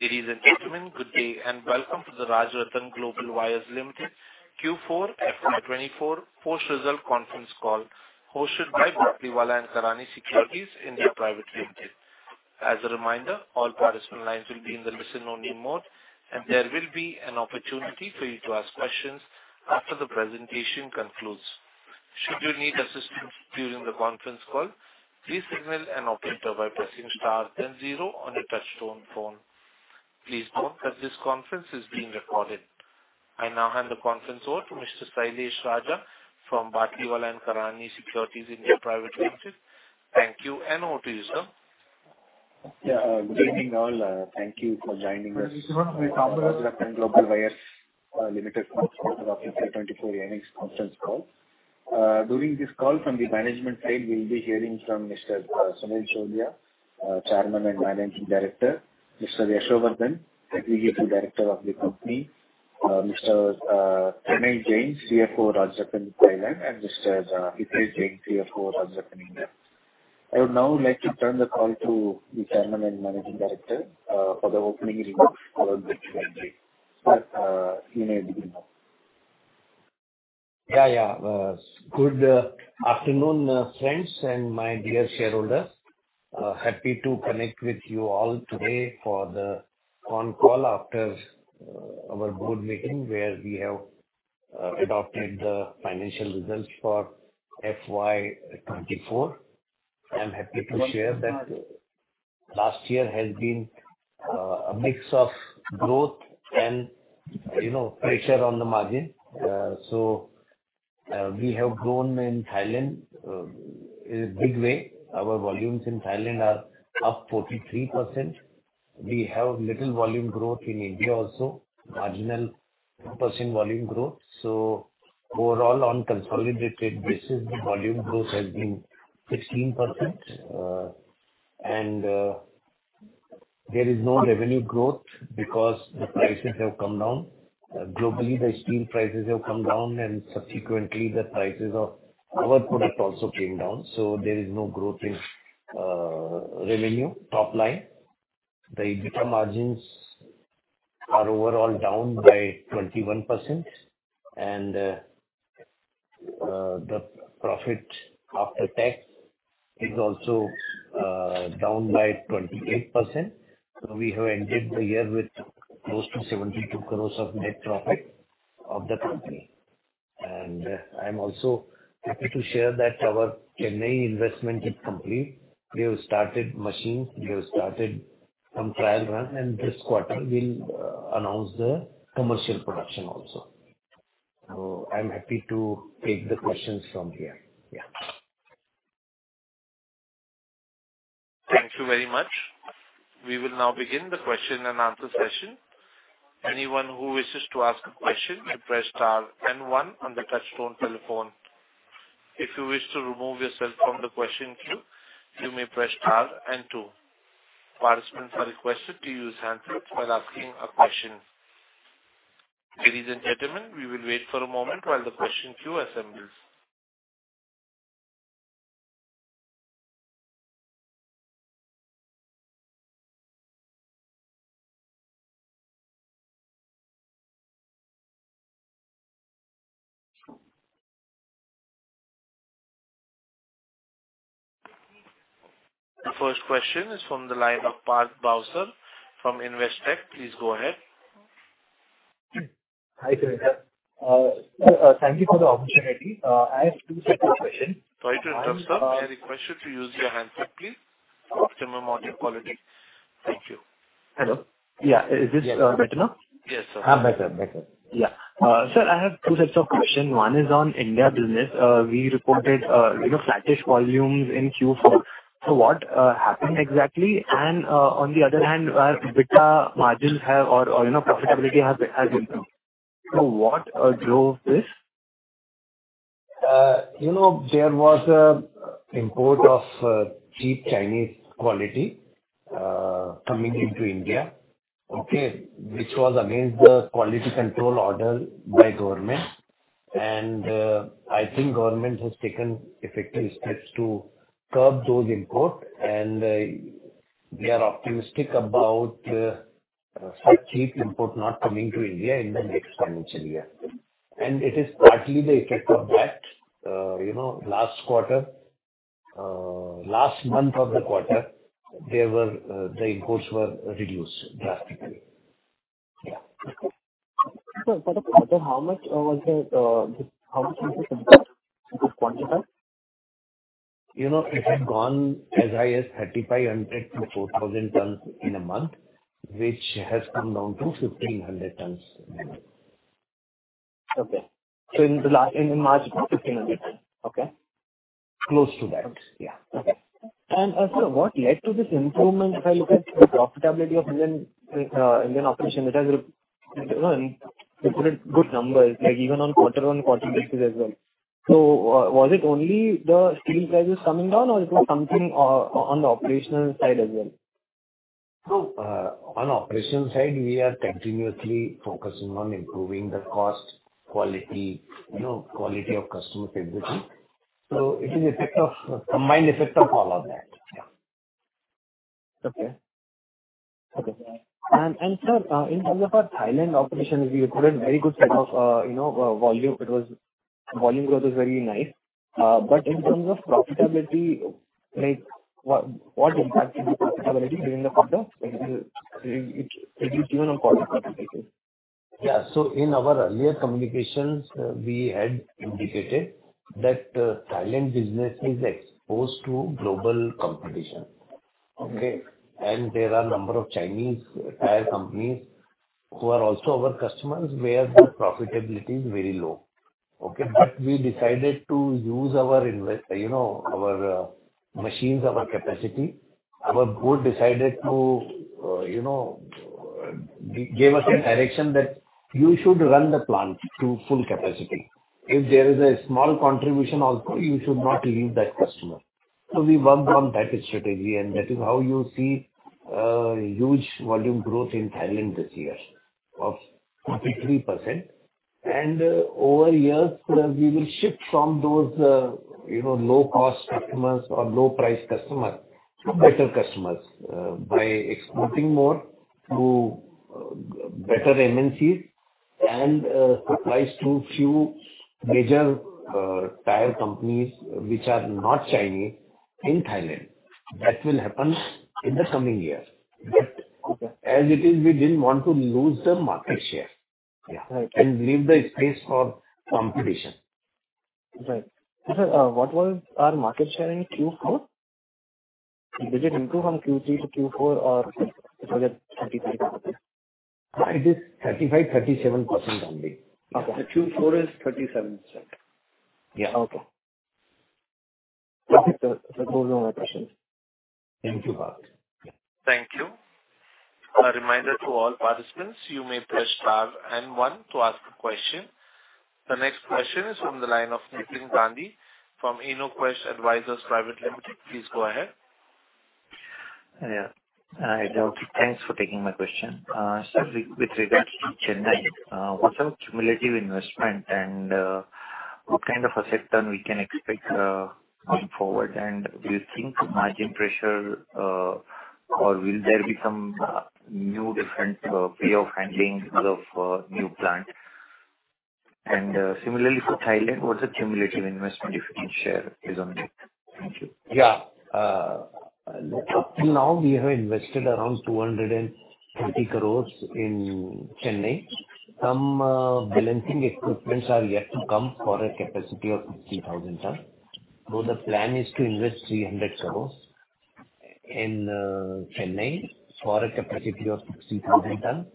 It is an interim. Good day and welcome to the Rajratan Global Wires Limited Q4 FY24 post-result conference call hosted by Batlivala & Karani Securities India Private Limited. As a reminder, all participant lines will be in the listen-only mode, and there will be an opportunity for you to ask questions after the presentation concludes. Should you need assistance during the conference call, please signal an operator by pressing star then zero on your touchstone phone. Please note that this conference is being recorded. I now hand the conference over to Mr. Sailesh Raja from Batlivala & Karani Securities India Private Limited. Thank you, and over to you, sir. Yeah. Good evening, all. Thank you for joining us. This is one of the. Rajratan Global Wires Limited's most important Q4 2024 earnings conference call. During this call from the management side, we'll be hearing from Mr. Sunil Chordia, Chairman and Managing Director; Mr. Yashovardhan, Executive Director of the company; Mr. Pranay Jain, CFO Rajratan Thailand; and Mr. Hitesh Jain, CFO Rajratan India. I would now like to turn the call to the Chairman and Managing Director for the opening remarks about the Q&A. Sir, you may begin. Good afternoon, friends and my dear shareholders. Happy to connect with you all today for the phone call after our board meeting where we have adopted the financial results for FY24. I'm happy to share that last year has been a mix of growth and pressure on the margin. We have grown in Thailand in a big way. Our volumes in Thailand are up 43%. We have little volume growth in India also, marginal 2% volume growth. Overall, on consolidated basis, the volume growth has been 16%. There is no revenue growth because the prices have come down. Globally, the steel prices have come down, and subsequently, the prices of our product also came down. There is no growth in revenue top line. The EBITDA margins are overall down by 21%, and the profit after tax is also down by 28%. We have ended the year with close to 72 crores of net profit of the company. I'm also happy to share that our Chennai investment is complete. We have started machines. We have started some trial runs, and this quarter, we'll announce the commercial production also. I'm happy to take the questions from here. Thank you very much. We will now begin the Q&A session. Anyone who wishes to ask a question should press star and one on the touchstone telephone. If you wish to remove yourself from the question queue, you may press star and two. Participants are requested to use hands-free while asking a question. Ladies and gentlemen, we will wait for a moment while the question queue assembles. The first question is from the line of Parth Bhavsar from Investec. Please go ahead. Hi, sir. Thank you for the opportunity. I have two sets of questions. Sorry to interrupt, sir. I request you to use your hands-free, please, for optimum audio quality. Thank you. Hello. Yeah. Is this better now? Yes, sir. Better, better. Yeah. Sir, I have two sets of questions. One is on India business. We reported flattish volumes in Q4. So what happened exactly? On the other hand, EBITDA margins or profitability has improved. So what drove this? There was import of cheap Chinese quality coming into India, which was against the quality control order by government. I think government has taken effective steps to curb those imports, and they are optimistic about such cheap import not coming to India in the next financial year. It is partly the effect of that. Last month of the quarter, the imports were reduced drastically. Sir, for the quarter, how much was the import? Could you quantify? It had gone as high as 3,500 to 4,000 tons in a month, which has come down to 1,500 tons in a month. Okay. So in March, 1,500 tons. Okay. Close to that. Yeah. Okay. And sir, what led to this improvement if I look at the profitability of Indian operation? It has reported good numbers even on quarter-on-quarter basis as well. So was it only the steel prices coming down, or was it something on the operational side as well? On the operational side, we are continuously focusing on improving the cost, quality, quality of customers, everything. So it is a combined effect of all of that. Okay. And sir, in terms of our Thailand operation, we reported a very good set of volume. Volume growth was very nice. But in terms of profitability, what impact did the profitability during the quarter? It is given on quarter-on-quarter basis. So in our earlier communications, we had indicated that Thailand business is exposed to global competition, and there are a number of Chinese tire companies who are also our customers where the profitability is very low. But we decided to use our machines, our capacity. Our board decided to give us a direction that you should run the plant to full capacity. If there is a small contribution also, you should not leave that customer. So we worked on that strategy, and that is how you see huge volume growth in Thailand this year of 43%. Over years, we will shift from those low-cost customers or low-priced customers to better customers by exporting more to better MNCs and supplies to few major tire companies which are not Chinese in Thailand. That will happen in the coming year. But as it is, we didn't want to lose the market share, and leave the space for competition. Right. Sir, what was our market share in Q4? Did it improve from Q3 to Q4, or was it at 35%? It is 35.37% only. Okay. The Q4 is 37%. Yeah. Okay. Okay. Sir, those are my questions. Thank you, Parth. Thank you. A reminder to all participants, you may press star and one to ask a question. The next question is from the line of Nitin Gandhi from Inoquest Advisors Private Limited. Please go ahead. Yeah. Thanks for taking my question. Sir, with regards to Chennai, what's our cumulative investment, and what kind of a return we can expect going forward? Do you think there will be margin pressure, or will there be some new different way of handling the new plant? Similarly for Thailand, what's the cumulative investment if you can share? Please go ahead. Thank you. Up till now, we have invested around 220 crores in Chennai. Some balancing equipments are yet to come for a capacity of 60,000 tons. So the plan is to invest 300 crores in Chennai for a capacity of 60,000 tons.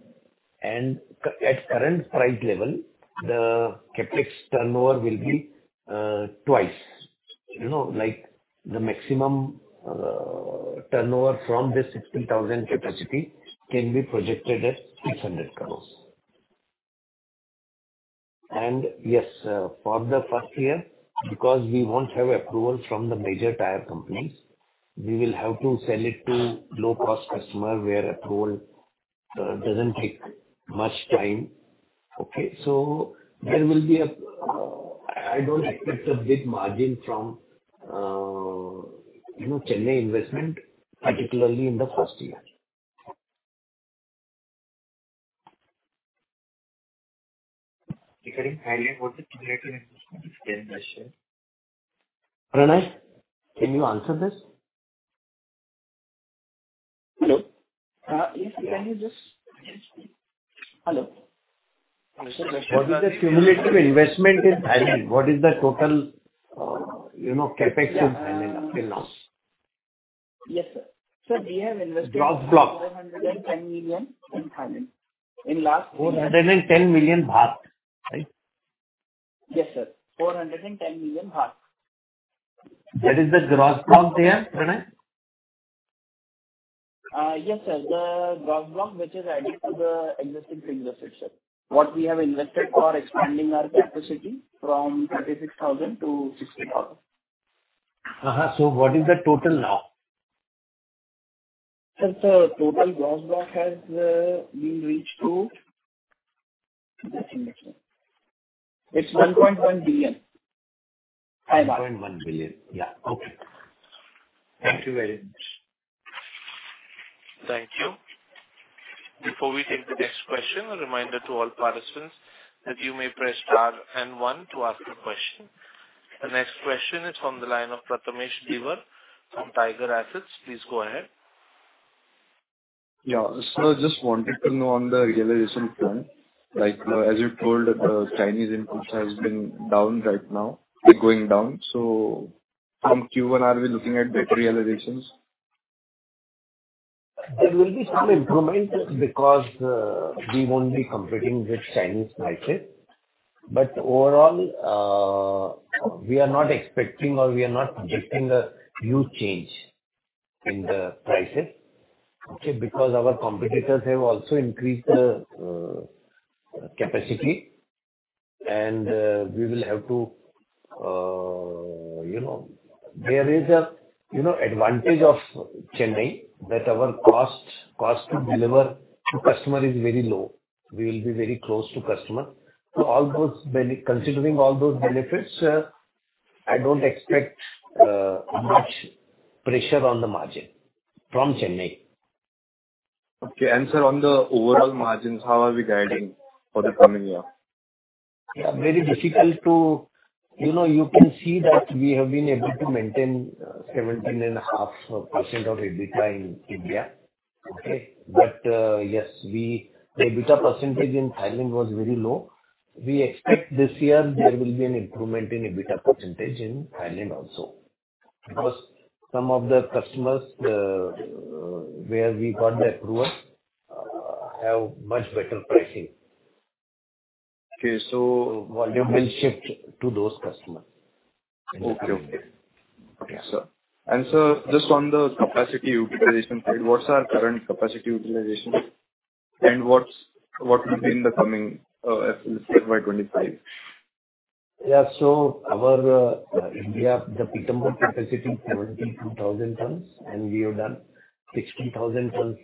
At current price level, the capex turnover will be twice. The maximum turnover from this 60,000 capacity can be projected at 600 crores. For the first year, because we won't have approval from the major tire companies, we will have to sell it to low-cost customers where approval doesn't take much time. So there will be a... I don't expect a big margin from Chennai investment, particularly in the first year. Regarding Thailand, what's the cumulative investment expense this year? Pranay, can you answer this? Hello? Yes, can you just? Hello. Yes, sir. What is the cumulative investment in Thailand? What is the total capex in Thailand up till now? Yes, sir. Sir, we have invested. Gross block. $410 million in Thailand last year. 410 million baht, right? Yes, sir. ฿410 million. That is the gross block there, Pranay? Yes, sir. The gross block, which is added to the existing footprint, sir. What we have invested for expanding our capacity from 36,000 to 60,000. What is the total now? Sir, the total gross block has reached $1.1 billion. 1.1 billion. Yeah. Okay. Thank you very much. Thank you. Before we take the next question, a reminder to all participants that you may press star and one to ask a question. The next question is from the line of Prathamesh Dhiwar from Tiger Assets. Please go ahead. Yeah. Sir, I just wanted to know on the realization point. As you told, Chinese inputs have been down right now, going down. So from Q1, are we looking at better realizations? There will be some improvement because we won't be competing with Chinese prices. But overall, we are not expecting or we are not predicting a huge change in the prices, because our competitors have also increased the capacity, and we will have to. There is an advantage of Chennai that our cost to deliver to customers is very low. We will be very close to customers. So considering all those benefits, I don't expect much pressure on the margin from Chennai. Okay. And sir, on the overall margins, how are we guiding for the coming year? Very difficult to... you can see that we have been able to maintain 17.5% of EBITDA in India, okay? But yes, the EBITDA percentage in Thailand was very low. We expect this year there will be an improvement in EBITDA percentage in Thailand also because some of the customers where we got the approval have much better pricing. Okay. Volume will shift to those customers. Okay. And sir, just on the capacity utilization side, what's our current capacity utilization, and what will be in the coming FY25? So in India, the Pithampur capacity is 72,000 tons, and we have done 60,000 tons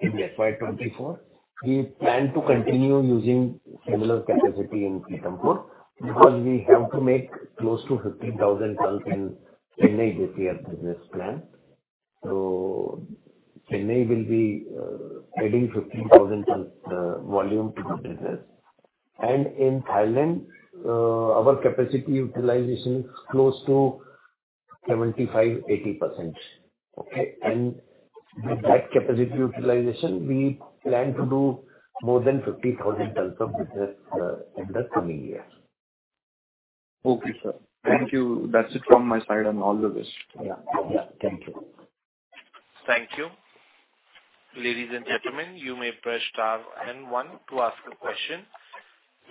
in FY24. We plan to continue using similar capacity in Pithampur because we have to make close to 15,000 tons in Chennai this year's business plan. Chennai will be adding 15,000 tons volume to the business. In Thailand, our capacity utilization is close to 75-80%, and with that capacity utilization, we plan to do more than 50,000 tons of business in the coming year. Okay, sir. Thank you. That's it from my side, and all the best. Yeah. Yeah. Thank you. Thank you. Ladies and gentlemen, you may press star and one to ask a question.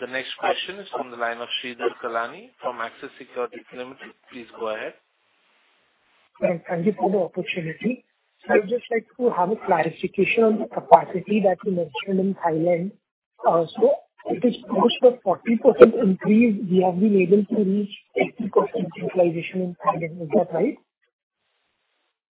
The next question is from the line of Sridhar Kallani from Axis Securities Limited. Please go ahead. Thank you for the opportunity. I would just like to have a clarification on the capacity that you mentioned in Thailand. So it is close to a 40% increase we have been able to reach 80% utilization in Thailand. Is that right?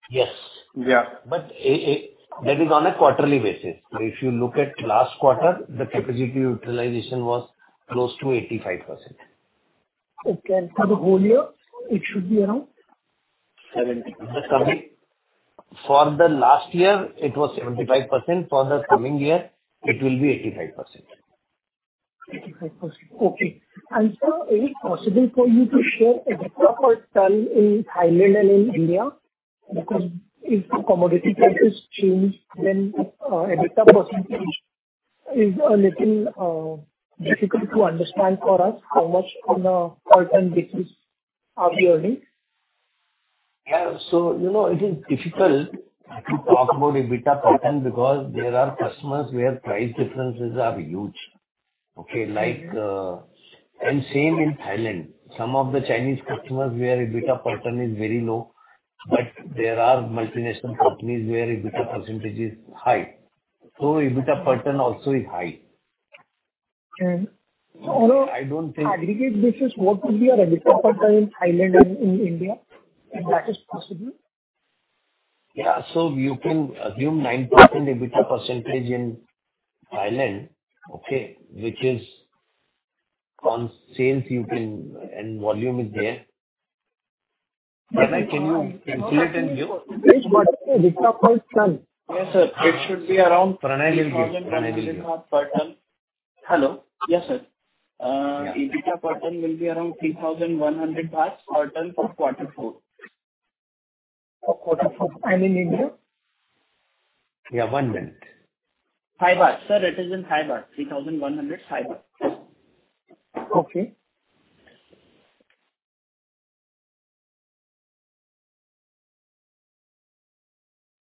Yes. Yeah. But that is on a quarterly basis. If you look at last quarter, the capacity utilization was close to 85%. Okay. And for the whole year, it should be around? For the last year, it was 75%. For the coming year, it will be 85%. 85%. Okay. And sir, is it possible for you to share a bit of a turn in Thailand and in India? Because if the commodity prices change, then a bit of a percentage is a little difficult to understand for us how much on a quarter-on-quarter basis we are earning. It is difficult to talk about EBITDA % because there are customers where price differences are huge. And same in Thailand. Some of the Chinese customers where EBITDA % is very low, but there are multinational companies where EBITDA % is high. Okay. So on an aggregate basis, what would be your EBITDA % in Thailand and in India if that is possible? Yeah. You can assume 9% EBITDA percentage in Thailand, okay, which is on sales, and volume is there. Pranay, can you calculate and give? Which percentage? What's the EBITDA per ton? Yes, sir. It should be around. Pranay will give. Pranay will give. EBITDA per ton? Hello? Yes, sir. EBITDA per ton will be around ฿3,100 per ton for quarter four. For quarter four? And in India? Yeah. One minute. 5 baht. Sir, it is in 5 baht. $3,100, 5 baht. Okay.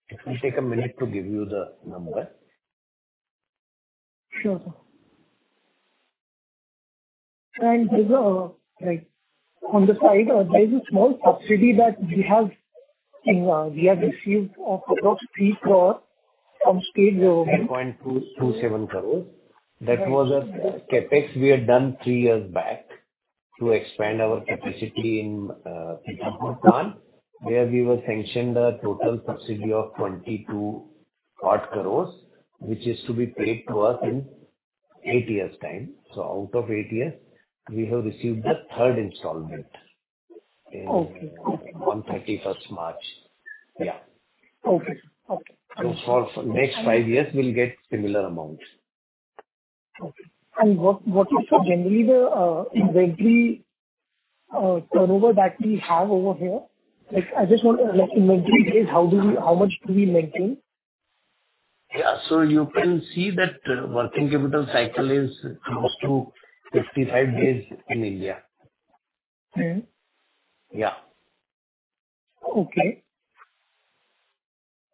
It will take a minute to give you the number. Sure, sir. And on the side, there is a small subsidy that we have received of about 3 crore from state. 3.27 crores. That was a capex we had done three years back to expand our capacity in Pittambur plant where we were sanctioned a total subsidy of 22.8 crores, which is to be paid to us in eight years' time. So out of eight years, we have received the third installment on 31st March. Okay. Okay. For the next five years, we'll get a similar amount. Okay. And what is, sir, generally the inventory turnover that we have over here? I just want to know, inventory days, how much do we maintain? You can see that working capital cycle is close to 55 days in India. Okay.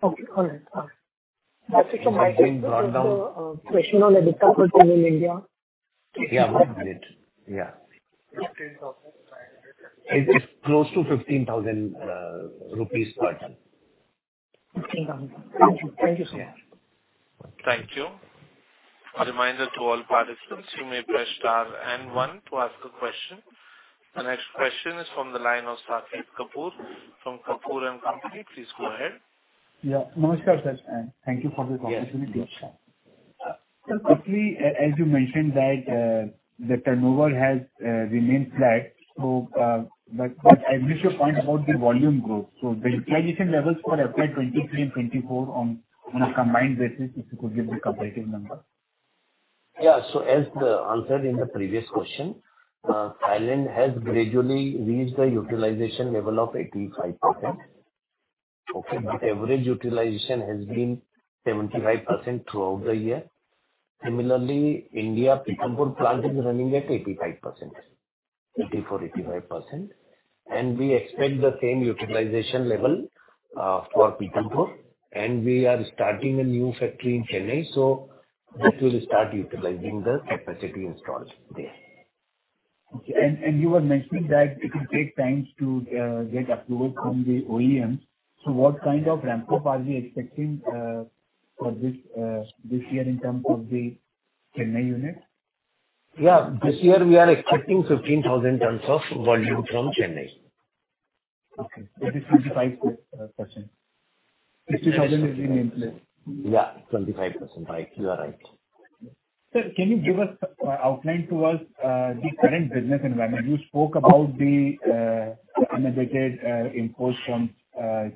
Okay. All right. All right. That's it from my side. I think you brought it down. The question on EBITDA per ton in India. Yeah. One minute. Yeah. It's close to ₹15,000 per ton. ₹15,000. Thank you. Thank you so much. Thank you. A reminder to all participants, you may press star and one to ask a question. The next question is from the line of Saket Kapoor from Kapoor & Co. Please go ahead. Yeah. Namaskar, sir. Thank you for this opportunity. Sir, quickly, as you mentioned that the turnover has remained flat, but I missed your point about the volume growth. So the utilization levels for FY23 and 24 on a combined basis, if you could give the comparative number. So as I said in the previous question, Thailand has gradually reached the utilization level of 85%. The average utilization has been 75% throughout the year. Similarly, India, Pittambur plant is running at 85%, 84, 85%. We expect the same utilization level for Pittambur. We are starting a new factory in Chennai, so that will start utilizing the capacity installed there. Okay. And you were mentioning that it will take time to get approval from the OEMs. So what kind of ramp-up are we expecting for this year in terms of the Chennai unit? Yeah. This year, we are expecting 15,000 tons of volume from Chennai. Okay. It is 25%. $50,000 is the main place. Yeah. 25%. Right. You are right. Sir, can you give us an outline of the current business environment? You spoke about the innovative imports from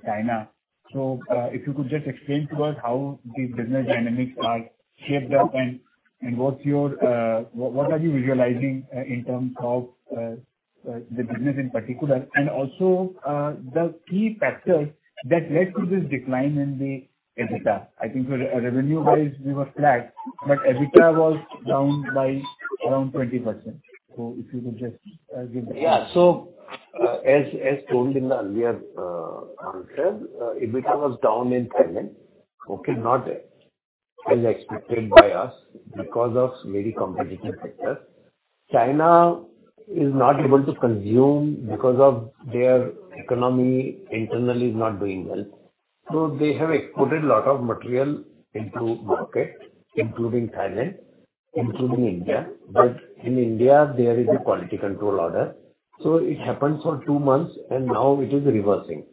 China. So if you could just explain to us how the business dynamics are shaped up and what are you visualizing in terms of the business in particular and also the key factors that led to this decline in the EBITDA. I think revenue-wise, we were flat, but EBITDA was down by around 20%. So if you could just give that. So as told in the earlier answer, EBITDA was down in Thailand, not as expected by us because of very competitive sectors. China is not able to consume because their economy internally is not doing well. So they have exported a lot of material into the market, including Thailand, including India. But in India, there is a quality control order. So it happens for two months, and now it is reversing.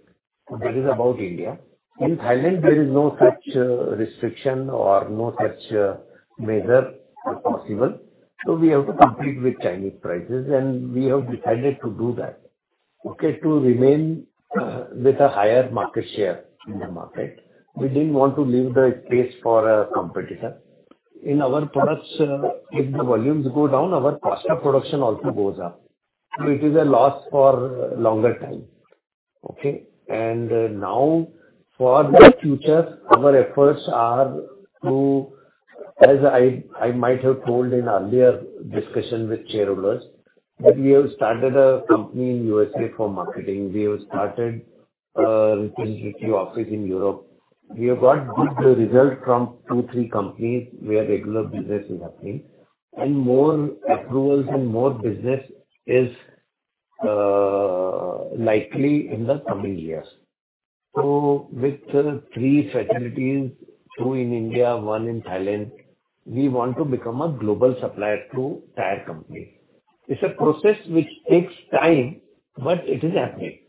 That is about India. In Thailand, there is no such restriction or no such measure possible. So we have to compete with Chinese prices, and we have decided to do that to remain with a higher market share in the market. We didn't want to leave the space for a competitor. In our products, if the volumes go down, our cost of production also goes up. So it is a loss for a longer time. Now for the future, our efforts are to, as I might have told in earlier discussion with shareholders, that we have started a company in USA for marketing. We have started a representative office in Europe. We have got good results from two, three companies where regular business is happening. More approvals and more business is likely in the coming years. So with three facilities, two in India, one in Thailand, we want to become a global supplier to tire companies. It's a process which takes time, but it is happening.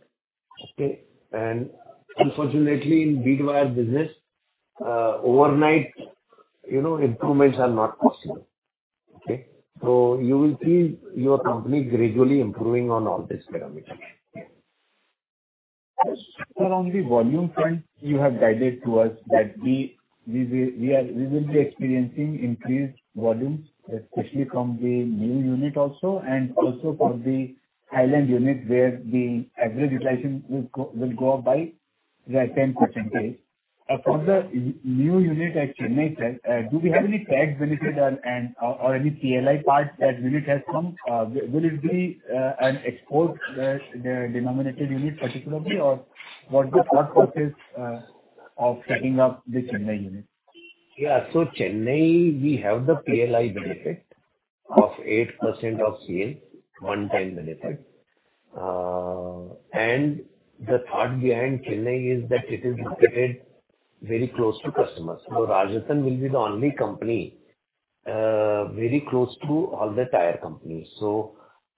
Unfortunately, in bead wire business, overnight improvements are not possible. So you will see your company gradually improving on all these parameters. Sir, on the volume front, you have guided us that we will be experiencing increased volumes, especially from the new unit also and also from the Thailand unit where the average utilization will go up by 10%. For the new unit at Chennai, sir, do we have any tax benefit or any PLI part that unit has come? Will it be an export-denominated unit particularly, or what's the thought process of setting up the Chennai unit? So Chennai, we have the PLI benefit of 8% of sales, one-time benefit. The thought behind Chennai is that it is located very close to customers. Rajratan will be the only company very close to all the tire companies.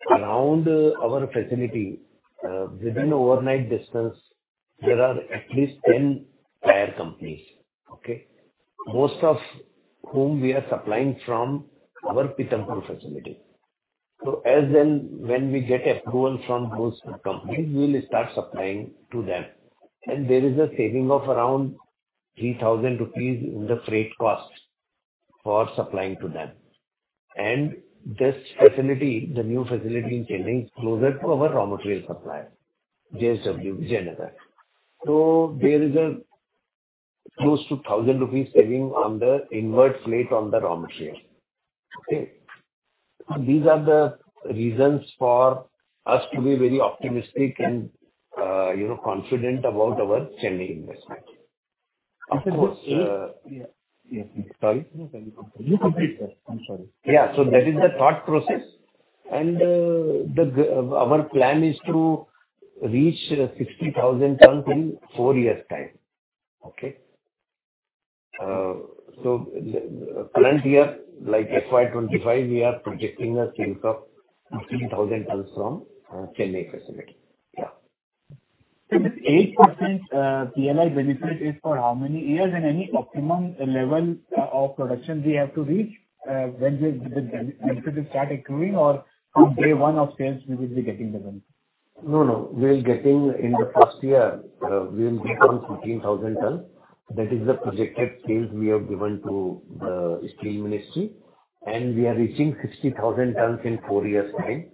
Around our facility, within overnight distance, there are at least 10 tire companies, most of whom we are supplying from our Pithampur facility. As and when we get approval from those companies, we will start supplying to them. There is a saving of around ₹3,000 in the freight cost for supplying to them. This facility, the new facility in Chennai, is closer to our raw material supplier, JSW. There is a close to ₹1,000 saving on the inverted freight on the raw material. These are the reasons for us to be very optimistic and confident about our Chennai investment. Of course. Of course. Yeah. Yeah. Sorry. You complete, sir. I'm sorry. Yeah. That is the thought process. Our plan is to reach 60,000 tons in four years' time, okay? Current year, like FY25, we are projecting us to reach 15,000 tons from Chennai facility. Yeah. And this 8% PLI benefit is for how many years and any optimum level of production we have to reach when the benefit will start accruing, or from day one of sales, we will be getting the benefit? No, no. In the first year, we will be on 15,000 tons. That is the projected sales we have given to the Steel Ministry. We are reaching 60,000 tons in four years' time.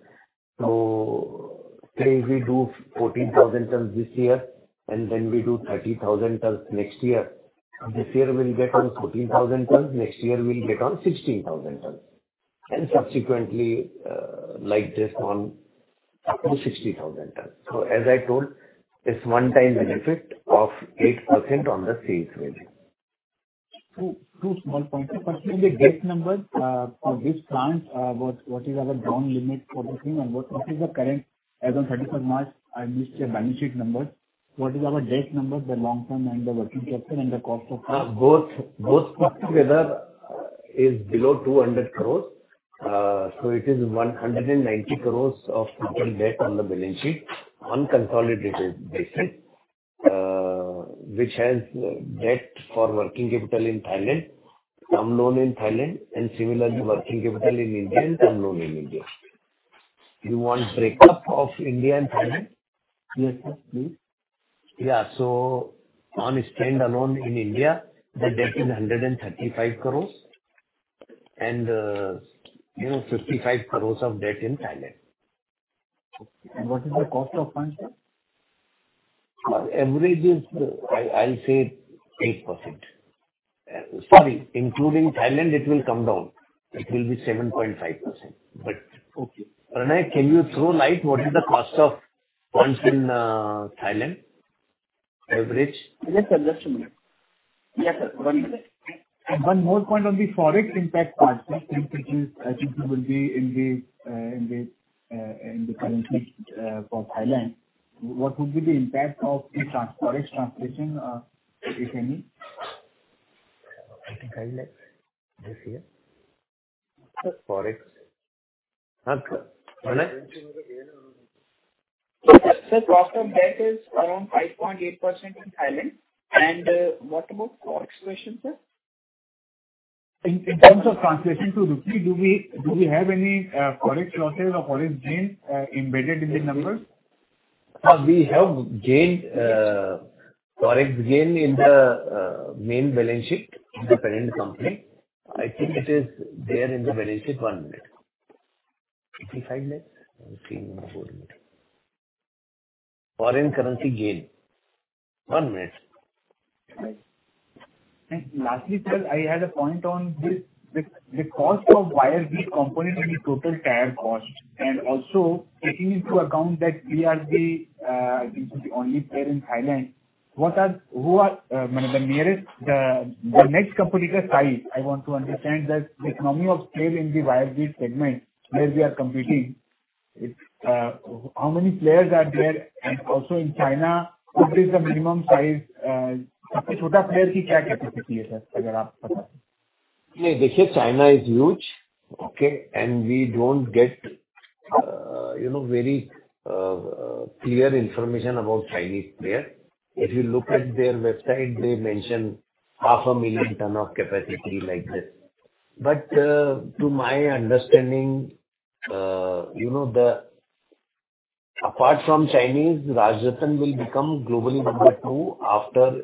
Say we do 14,000 tons this year, and then we do 30,000 tons next year. This year, we'll get on 14,000 tons. Next year, we'll get on 16,000 tons. Subsequently, like this, on to 60,000 tons. As I told, it's one-time benefit of 8% on the sales value. Two small points. Firstly, the gate number for this plant, what is our down limit for the thing, and what is the current as on March 31st? I missed your balance sheet numbers. What is our debt number, the long-term and the working capital, and the cost of? Both put together is below 200 crores. So it is 190 crores of total debt on the balance sheet on a consolidated basis, which has debt for working capital in Thailand, some loan in Thailand, and similarly, working capital in India and some loan in India. You want breakup of India and Thailand? Yes, sir. Please. Yeah. So on a standalone in India, the debt is 135 crores and 55 crores of debt in Thailand. Okay. And what is the cost of funds, sir? Average is, I'll say, 8%. Including Thailand, it will come down. It will be 7.5%. But Pranay, can you throw light what is the cost of funds in Thailand, average? Yes, sir. Just a minute. Yes, sir. One minute. One more point on the forex impact part, sir, since it will be in the currency for Thailand. What would be the impact of the forex translation, if any? I think I left this here. Forex. Sir, cost of debt is around 5.8% in Thailand. And what about the forex question, sir? In terms of translation to rupee, do we have any forex losses or forex gains embedded in the numbers? We have forex gain in the main balance sheet in the parent company. I think it is there in the balance sheet. One minute. 55 minutes? I'm seeing on the board here. Foreign currency gain. One minute. And lastly, sir, I had a point on this. The cost of bead wire component in total tire cost and also taking into account that we are the, I think, the only player in Thailand, who are the nearest, the next competitor size? I want to understand the economy of scale in the bead wire segment where we are competing. How many players are there? And also in China, what is the minimum size? सबसे छोटा player की क्या capacity है, sir, अगर आप बता सकें? नहीं, देखिए, China is huge, okay? We don't get very clear information about Chinese players. If you look at their website, they mention half a million ton of capacity like this. But to my understanding, apart from Chinese, Rajratan will become globally number two after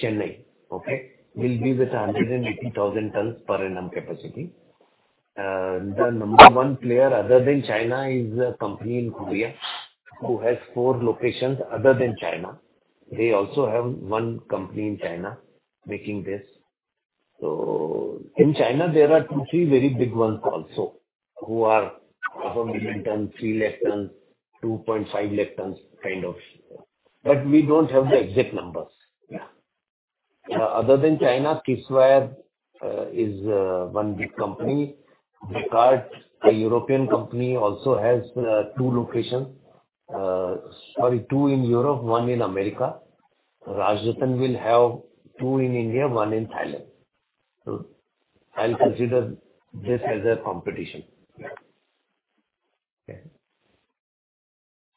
Chennai, okay? Will be with 180,000 tons per annum capacity. The number one player, other than China, is a company in Korea who has four locations other than China. They also have one company in China making this. So in China, there are two, three very big ones also who are half a million tons, 3 lakh tons, 2.5 lakh tons kind of. But we don't have the exact numbers. Other than China, Kiswire is one big company. The European company also has two locations. Sorry, two in Europe, one in America. Rajratan will have two in India, one in Thailand. I'll consider this as a competition. Okay?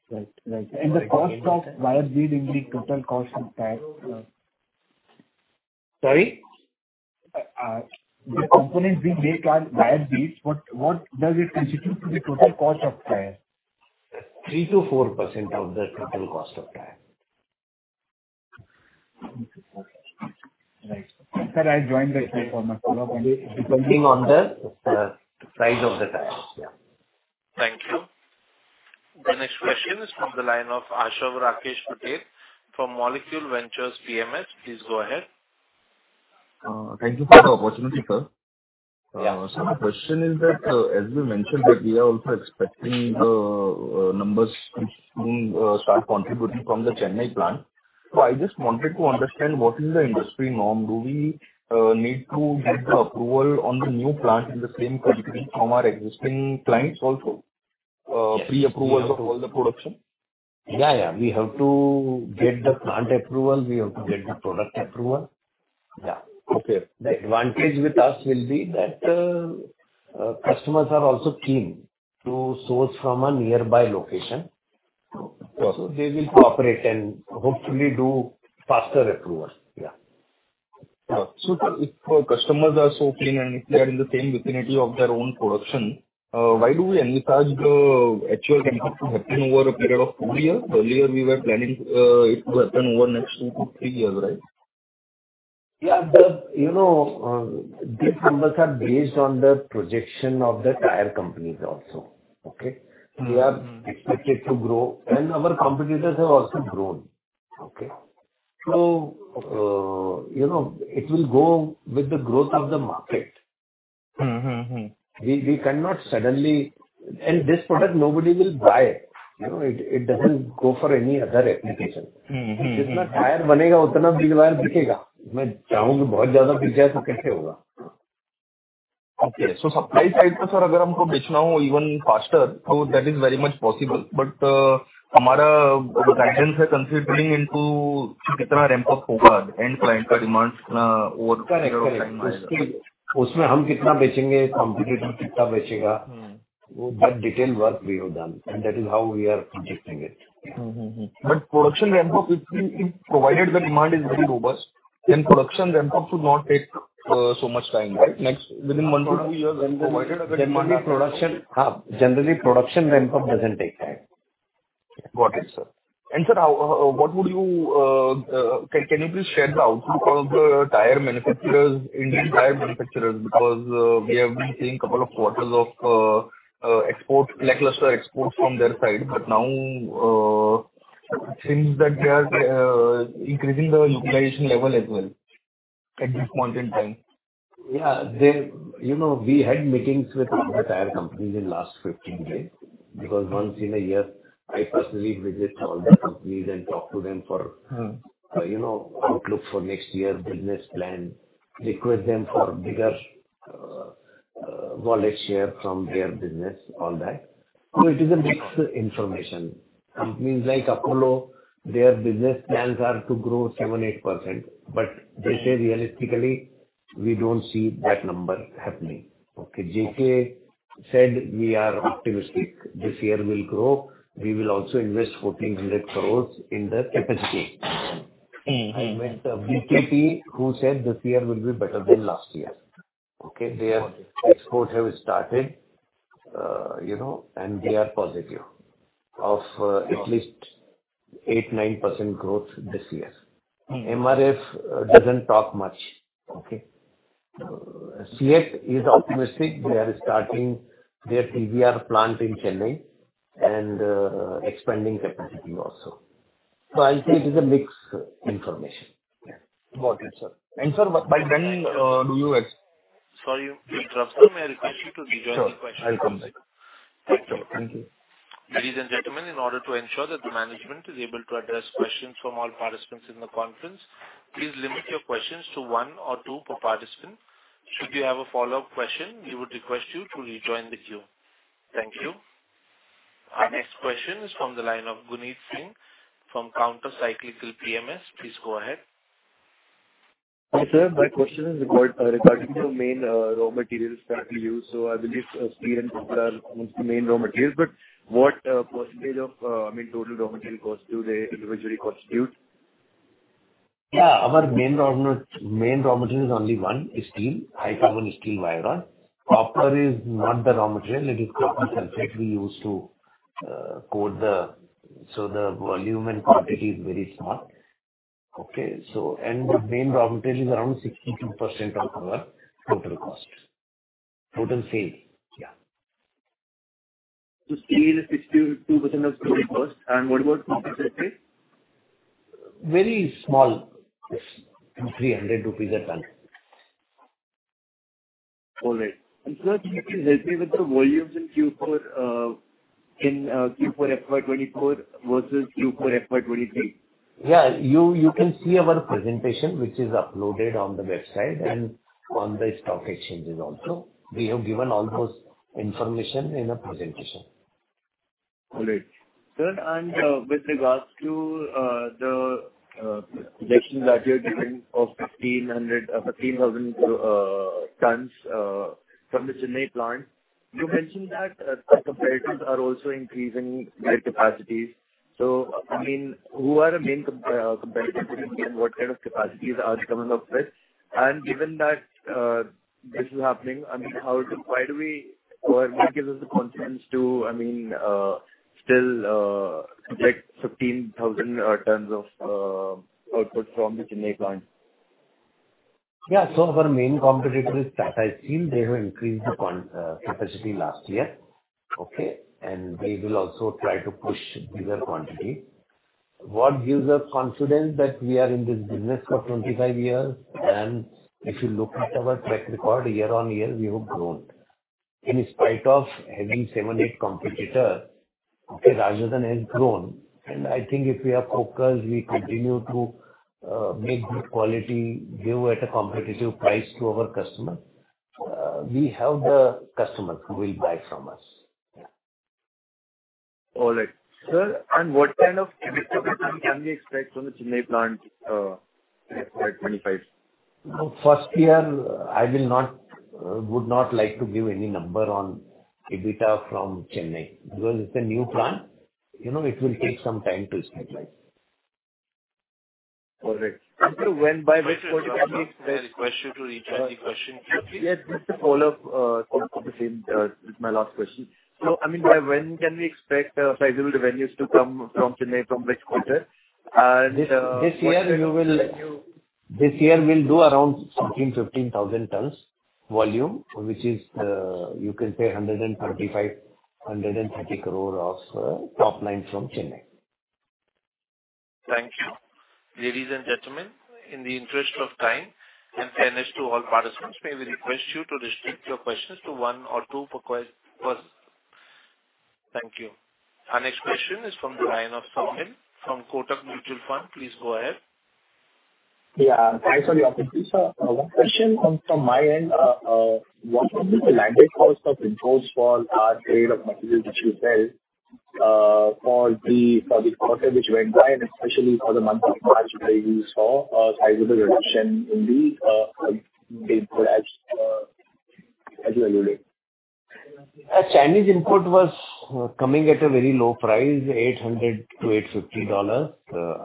Right. Right. And the cost of wire grid in the total cost of tire? Sorry? The components we make are wire grids. What does it constitute to the total cost of tire? 3% to 4% of the total cost of tire. Okay. Right. Sir, I'll join the chat for my follow-up. Depending on the size of the tires. Yeah. Thank you. The next question is from the line of Aashav Rakesh Patel from Molecule Ventures PMS. Please go ahead. Thank you for the opportunity, sir. The question is that, as we mentioned, we are also expecting the numbers to soon start contributing from the Chennai plant. I just wanted to understand, what is the industry norm? Do we need to get the approval on the new plant in the same capacity from our existing clients also, pre-approvals of all the production? Yeah, yeah. We have to get the plant approval. We have to get the product approval. Yeah. The advantage with us will be that customers are also keen to source from a nearby location. So they will cooperate and hopefully do faster approval. Yeah. If customers are so keen and if they are in the same vicinity of their own production, why do we envisage the actual benefit to happen over a period of four years? Earlier, we were planning it to happen over the next two to three years, right? Yeah. These numbers are based on the projection of the tire companies also, okay? They are expected to grow. And our competitors have also grown, okay? So it will go with the growth of the market. We cannot suddenly and this product, nobody will buy it. It doesn't go for any other application. जितना tyre बनेगा, उतना Beed wire बिकेगा। मैं चाहूँ कि बहुत ज्यादा बिक जाए, तो कैसे होगा? ओके। सो सप्लाई साइड पर, सर, अगर हमको बेचना हो इवन फास्टर, तो that is very much possible. But हमारा गाइडेंस है कंसीडरिंग इनटू कितना रैंप अप होगा एंड क्लाइंट का डिमांड कितना ओवर पीरियड ऑफ़ टाइम आएगा। करेक्ट। उसमें हम कितना बेचेंगे, कंपीटीटर कितना बेचेगा, वो that detail work we have done. And that is how we are projecting it. But production ramp up, if provided the demand is very robust, then production ramp up should not take so much time, right? Next, within one two two years, then provided अगर demand. Generally, production ramp up doesn't take time. Got it, sir. And, sir, what would you can you please share the output of the tire manufacturers, Indian tire manufacturers? Because we have been seeing couple of quarters of export, flag cluster exports from their side. But now, it seems that they are increasing the utilization level as well at this point in time. हाँ, we had meetings with all the tyre companies in last 15 days. Because once in a year, I personally visit all the companies and talk to them for outlook for next year, business plan, request them for bigger wallet share from their business, all that. So it is a mixed information. Companies like Apollo, their business plans are to grow 7-8%. But they say, realistically, we don't see that number happening, okay? JK said, "We are optimistic. This year will grow. We will also invest 1,400 crores in the capacity." I met BKT, who said, "This year will be better than last year." Okay? Exports have started, and they are positive of at least 8-9% growth this year. MRF doesn't talk much, okay? CEAT is optimistic. They are starting their TVR plant in Chennai and expanding capacity also. So I'll say it is a mixed information. Got it, sir. And, sir, by when do you? Sorry to interrupt, sir. May I request you to rephrase the question? Sure. I'll come back. Thank you. Ladies and gentlemen, in order to ensure that the management is able to address questions from all participants in the conference, please limit your questions to one or two per participant. Should you have a follow-up question, we would request you to rejoin the queue. Thank you. Our next question is from the line of Gunit Singh from Counter Cyclical PMS. Please go ahead. Hi, sir. My question is regarding the main raw materials that we use. I believe steel and copper are one of the main raw materials. But what percentage of, I mean, total raw material cost do they individually constitute? Yeah. Our main raw material is only one: steel, high-carbon steel wire rod. Copper is not the raw material. It is copper sulfate we use to coat the steel, so the volume and quantity is very small, okay? The main raw material is around 62% of our total cost, total sale. Yeah. Steel is 62% of total cost. And what about copper sulfate? Very small, INR 300 per ton. All right. And, sir, can you help me with the volumes in Q4 FY24 versus Q4 FY23? Yeah. You can see our presentation, which is uploaded on the website and on the stock exchanges also. We have given all those information in a presentation. All right. Sir, and with regards to the projections that you're giving of 15,000 tons from the Chennai plant, you mentioned that the competitors are also increasing their capacities. So I mean, who are the main competitors and what kind of capacities are they coming up with? And given that this is happening, I mean, why do we or who gives us the confidence to still project 15,000 tons of output from the Chennai plant? So our main competitor is Tata Steel. They have increased the capacity last year, and they will also try to push bigger quantity. What gives us confidence that we are in this business for 25 years? If you look at our track record, year on year, we have grown. In spite of having 7-8 competitors, Rajratan has grown. I think if we are focused, we continue to make good quality, give at a competitive price to our customers, we have the customers who will buy from us. All right, sir, and what kind of EBITDA can we expect from the Chennai plant FY25? First year, I would not like to give any number on EBITDA from Chennai because it's a new plant. It will take some time to stabilize. All right. And, sir, by which quarter can we expect? May I request you to rephrase the question quickly? Yes. Just a follow-up to the same with my last question. I mean, by when can we expect sizable revenues to come from Chennai, from which quarter? This year, we will do around 15,000 tons volume, which is, you can say, 130-135 crore of top line from Chennai. Thank you. Ladies and gentlemen, in the interest of time and fairness to all participants, may we request you to restrict your questions to one or two per person? Thank you. Our next question is from the line of Saumil from Kotak Mutual Fund. Please go ahead. Yeah. Thanks for the opportunity, sir. One question from my end. What would be the landed cost of imports for our trade of materials, which you said, for the quarter which went by, and especially for the month of March, where you saw a sizable reduction in the import as you alluded? Chinese import was coming at a very low price, $800 to $850.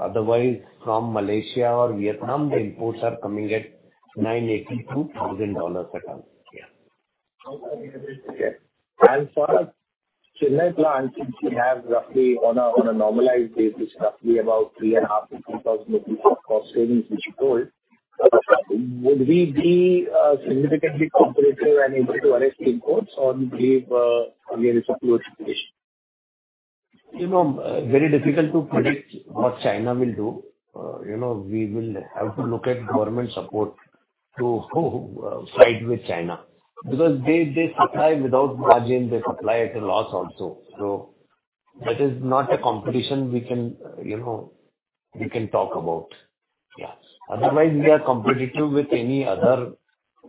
Otherwise, from Malaysia or Vietnam, the imports are coming at $980 to $1,000 a ton. Okay. And for Chennai plant, since we have roughly, on a normalized basis, roughly about 3.5 to 3,000 of cost savings, which you told, would we be significantly competitive and able to arrest imports, or do you believe there is a close situation? Very difficult to predict what China will do. We will have to look at government support to fight with China because they supply without margin. They supply at a loss also. That is not a competition we can talk about. Otherwise, we are competitive with any other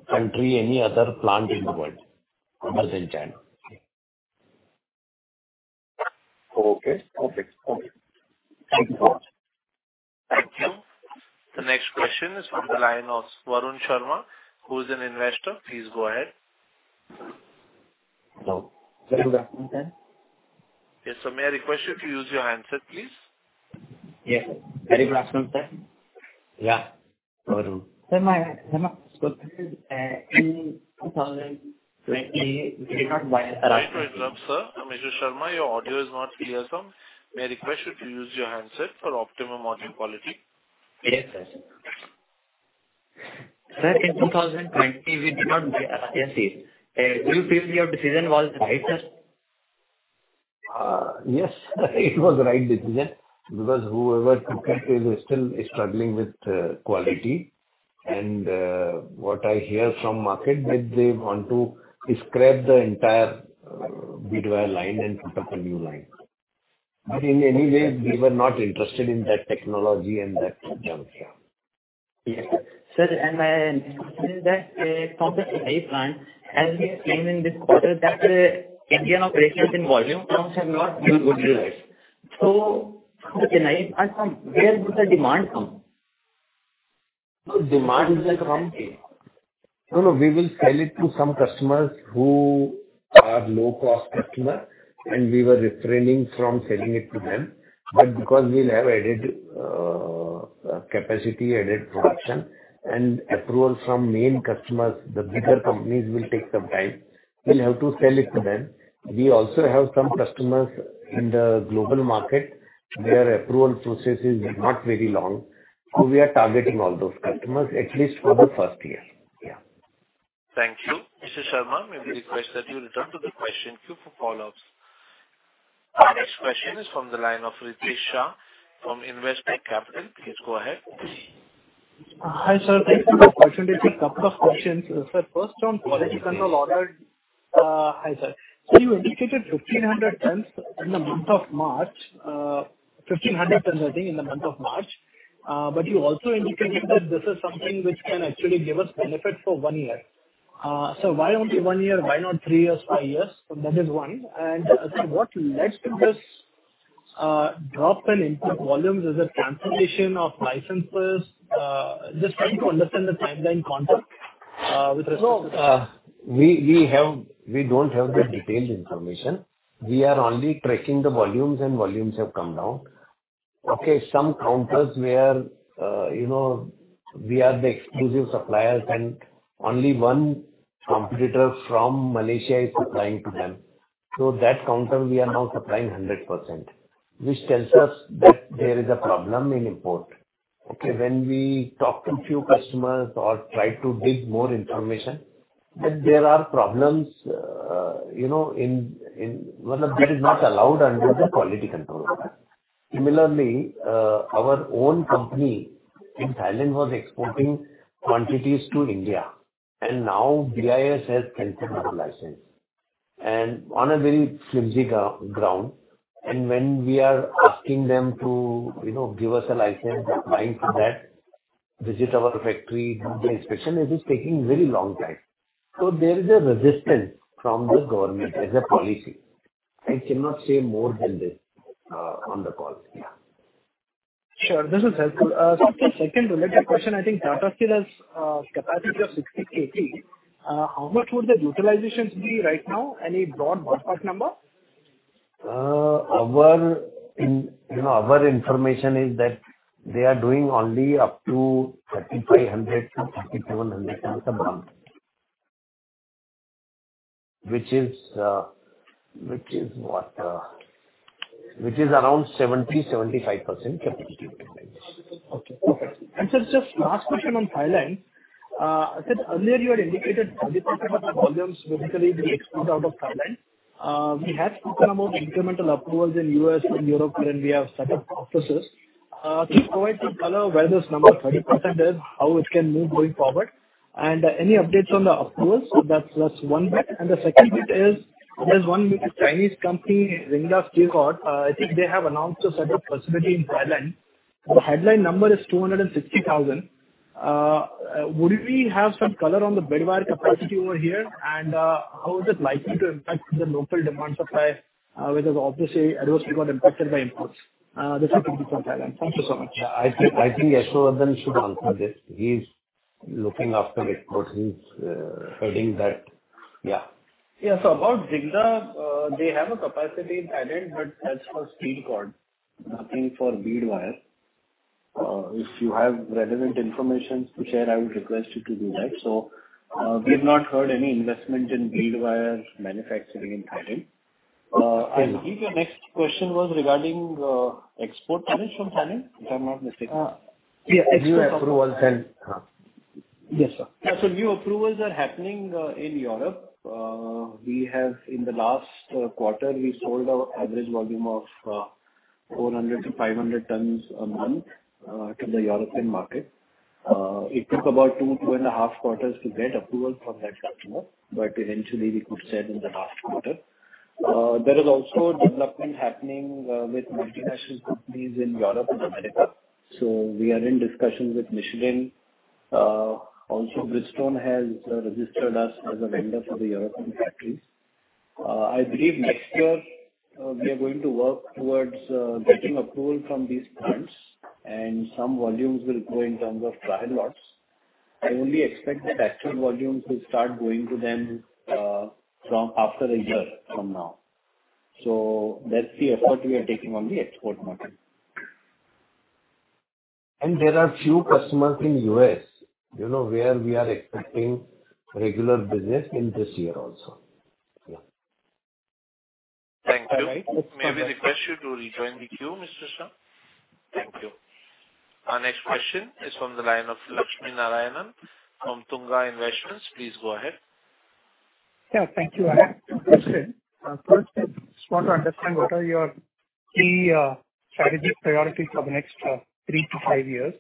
country, any other plant in the world other than China. Okay. Perfect. Perfect. Thank you so much. Thank you. The next question is from the line of Varun Sharma, who is an investor. Please go ahead. Hello. Very good afternoon, sir. Yes, sir. May I request you to use your handset, please? Yes, sir. Very good afternoon, sir. Yeah. Varun. Sir, my question is, in 2020, we did not buy a rock. Sorry to interrupt, sir. I'm Mr. Sharma. Your audio is not clear. May I request you to use your handset for optimum audio quality? Yes, sir. Sir, in 2020, we did not buy a rock. Yes, sir. Do you feel your decision was right, sir? Yes. It was the right decision because whoever took it is still struggling with quality. What I hear from market, they want to scrap the entire bead wire line and put up a new line. But in any way, we were not interested in that technology and that junk. Sir, and in that complex Chennai plant, as we are saying in this quarter, that's where Indian operations in volume have not done good results. So from Chennai, where would the demand come? Demand is from... Okay. No, no. We will sell it to some customers who are low-cost customers, and we were refraining from selling it to them. But because we'll have added capacity, added production, and approval from main customers, the bigger companies will take some time. We'll have to sell it to them. We also have some customers in the global market where approval process is not very long. We are targeting all those customers, at least for the first year. Thank you. Mr. Sharma, may we request that you return to the question queue for follow-ups? Our next question is from the line of Ritesh Shah from Investec Capital. Please go ahead. Hi, sir. Thank you for the opportunity. A couple of questions, sir. First, on quality control order. Hi, sir. You indicated 1,500 tons in the month of March, 1,500 tons, I think, in the month of March. But you also indicated that this is something which can actually give us benefit for one year. Why only one year? Why not three years, five years? That is one. Sir, what led to this drop in input volumes? Is it cancellation of licenses? Just trying to understand the timeline contact with respect to. We don't have the detailed information. We are only tracking the volumes, and volumes have come down. Some counters where we are the exclusive suppliers, and only one competitor from Malaysia is supplying to them. That counter, we are now supplying 100%, which tells us that there is a problem in import. When we talk to a few customers or try to dig more information, then there are problems in whatever is not allowed under the quality control order. Similarly, our own company in Thailand was exporting quantities to India. Now, BIS has canceled the license on a very flimsy ground. When we are asking them to give us a license applying for that, visit our factory, do the inspection, it is taking a very long time. There is a resistance from the government as a policy. I cannot say more than this on the call. Yeah. Sure. This is helpful. Sir, just a second to let you question. I think Tata Steel has a capacity of 60 KT. How much would the utilizations be right now? Any broad ballpark number? Our information is that they are doing only up to 3,500 to 3,700 tons a month, which is what? Which is around 70%, 75% capacity utilization. Perfect. Sir, just last question on Thailand. Earlier, you had indicated 30% of the volumes basically we export out of Thailand. We have spoken about incremental approvals in the US and Europe, and we have set up offices. Can you provide some color where this number 30% is, how it can move going forward? Any updates on the approvals? That's one bit. The second bit is, there's one Chinese company, Xingda Steel Cord. I think they have announced a set of possibility in Thailand. The headline number is 260,000. Would we have some color on the bedwire capacity over here, and how is it likely to impact the local demand supply, which is obviously adversely got impacted by imports? This will be from Thailand. Thank you so much. Yeah. I think Yashwardan should answer this. He's looking after exports. He's heading that. Yeah. About Ringda, they have a capacity in Thailand, but as for Steelcord, nothing for bead wire. If you have relevant information to share, I would request you to do that. We have not heard any investment in bead wire manufacturing in Thailand. I believe your next question was regarding export manage from Thailand, if I'm not mistaken. Yeah. Export approvals and. Yes, sir. So new approvals are happening in Europe. In the last quarter, we sold our average volume of 400 to 500 tons a month to the European market. It took about two, two and a half quarters to get approval from that customer, but eventually, we could sell in the last quarter. There is also development happening with multinational companies in Europe and America. We are in discussion with Michelin. Also, Bridgestone has registered us as a vendor for the European factories. I believe next year, we are going to work towards getting approval from these plants, and some volumes will go in terms of trial lots. I only expect the factory volumes will start going to them after a year from now. That's the effort we are taking on the export market. There are few customers in the US where we are expecting regular business in this year also. Thank you. May we request you to rejoin the queue, Mr. Shah? Thank you. Our next question is from the line of Lakshmi Narayanan from Tunga Investments. Please go ahead. Thank you. First, I just want to understand what are your key strategic priorities for the next three to five years.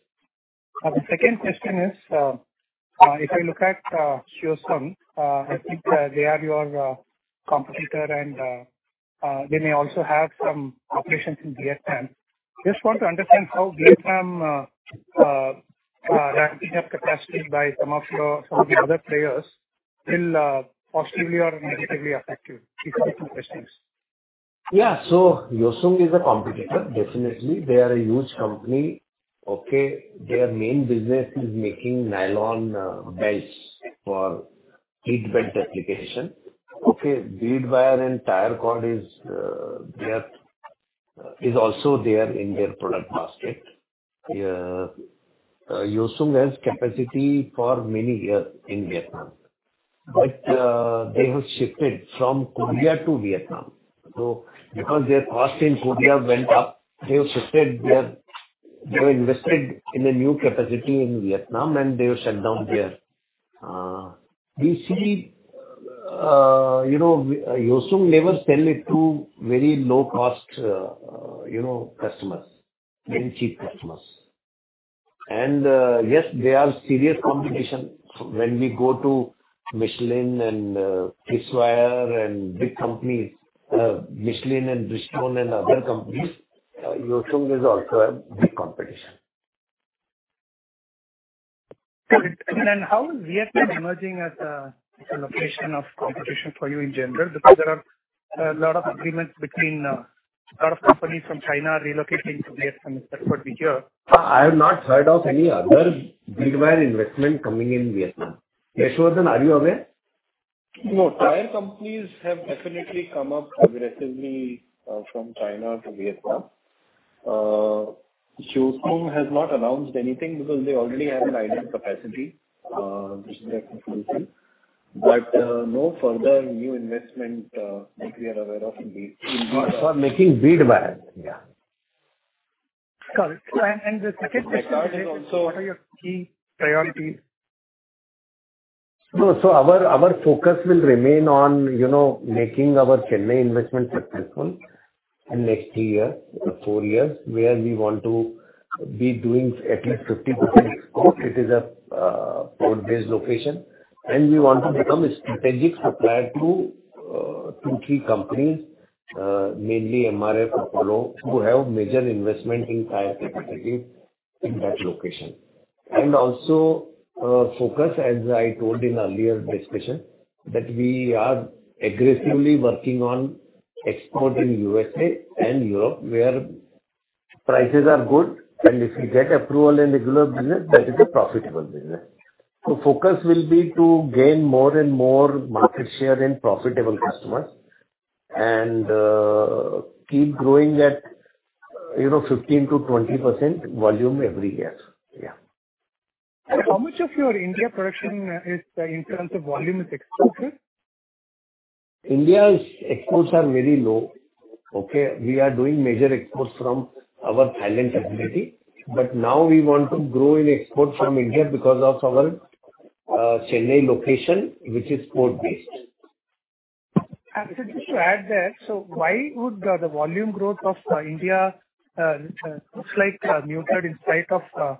The second question is, if I look at Hyosung, I think they are your competitor, and they may also have some operations in Vietnam. Just want to understand how Vietnam ramping up capacity by some of the other players will positively or negatively affect you. These are the two questions. Hyosung is a competitor, definitely. They are a huge company. Their main business is making nylon belts for heat belt application. Bead wire and tire cord is also there in their product basket. Hyosung has capacity for many years in Vietnam, but they have shifted from Korea to Vietnam because their cost in Korea went up, they have shifted. They invested in a new capacity in Vietnam, and they have shut down there. We see Hyosung never sell it to very low-cost customers, very cheap customers. They are serious competition. When we go to Michelin and Kisswire and big companies, Michelin and Bridgestone and other companies, Hyosung is also a big competition. Got it. And then how is Vietnam emerging as a location of competition for you in general? Because there are a lot of agreements between a lot of companies from China relocating to Vietnam, is that what we hear? I have not heard of any other bead wire investment coming in Vietnam. Yashwardan, are you aware? No. Tire companies have definitely come up aggressively from China to Vietnam. Shio Sung has not announced anything because they already have an idle capacity, which is their confusion. But no further new investment that we are aware of in Vietnam. They are making bead wire. Yeah. Got it. And the second question is, what are your key priorities? Our focus will remain on making our Chennai investment successful in next three to four years, where we want to be doing at least 50% export. It is a port-based location, and we want to become a strategic supplier to two, three companies, mainly MRF, Apollo who have major investment in tire capacity in that location. Also, focus, as I told in earlier discussion, that we are aggressively working on export in the USA and Europe where prices are good. If we get approval in regular business, that is a profitable business. Focus will be to gain more and more market share in profitable customers and keep growing at 15% to 20% volume every year. And how much of your India production in terms of volume is exported? India's exports are very low. We are doing major exports from our Thailand facility. But now, we want to grow in export from India because of our Chennai location, which is port-based. Sir, just to add there, so why would the volume growth of India look like muted in spite of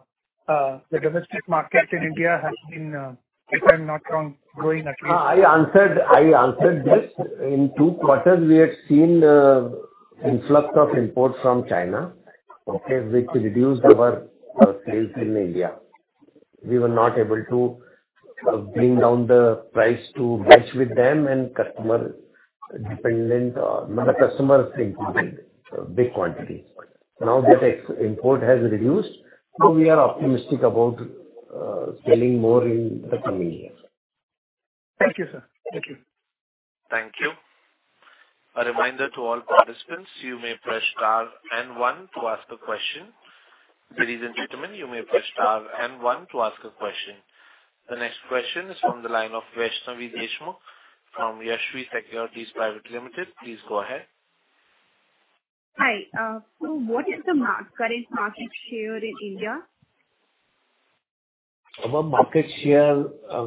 the domestic market in India has been, if I'm not wrong, growing at least? I answered this. In two quarters, we had seen an influx of imports from China, which reduced our sales in India. We were not able to bring down the price to match with them, and customers think we did big quantities. Now that import has reduced, so we are optimistic about selling more in the coming year. Thank you, sir. Thank you. Thank you. A reminder to all participants, you may press star and one to ask a question. Ladies and gentlemen, you may press star and one to ask a question. The next question is from the line of Vaishnavi Deshmukh from Yashwi Securities Private Limited. Please go ahead. Hi. What is the current market share in India? Our market share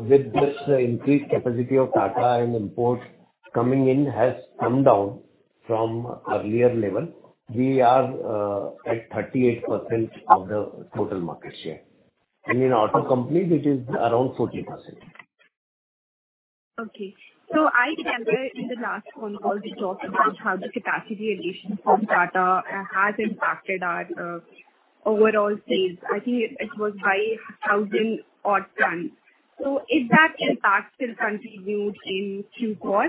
with this increased capacity of Tata and imports coming in has come down from earlier level. We are at 38% of the total market share. And in auto companies, it is around 40%. Okay. So I remember in the last phone call, we talked about how the capacity addition from Tata has impacted our overall sales. I think it was by 1,000-odd tons. So if that impact still continued in Q4?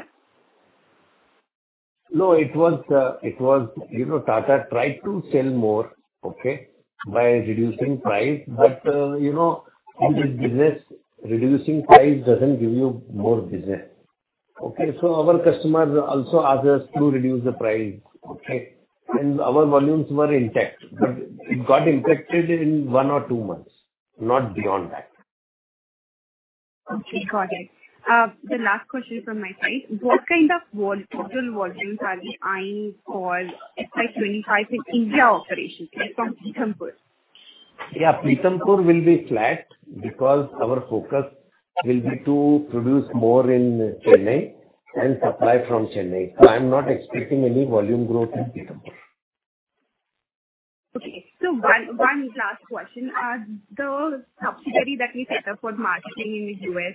No. It was Tata tried to sell more, okay, by reducing price. But in this business, reducing price doesn't give you more business. Our customers also asked us to reduce the price. Our volumes were intact, but it got impacted in one or two months, not beyond that. Okay. Got it. The last question from my side, what kind of total volumes are we aiming for by 2025 in India operations from Pithampur? Yeah. Pithampur will be flat because our focus will be to produce more in Chennai and supply from Chennai. So I'm not expecting any volume growth in Pithampur. Okay. So one last question. The subsidiary that we set up for marketing in the U.S.,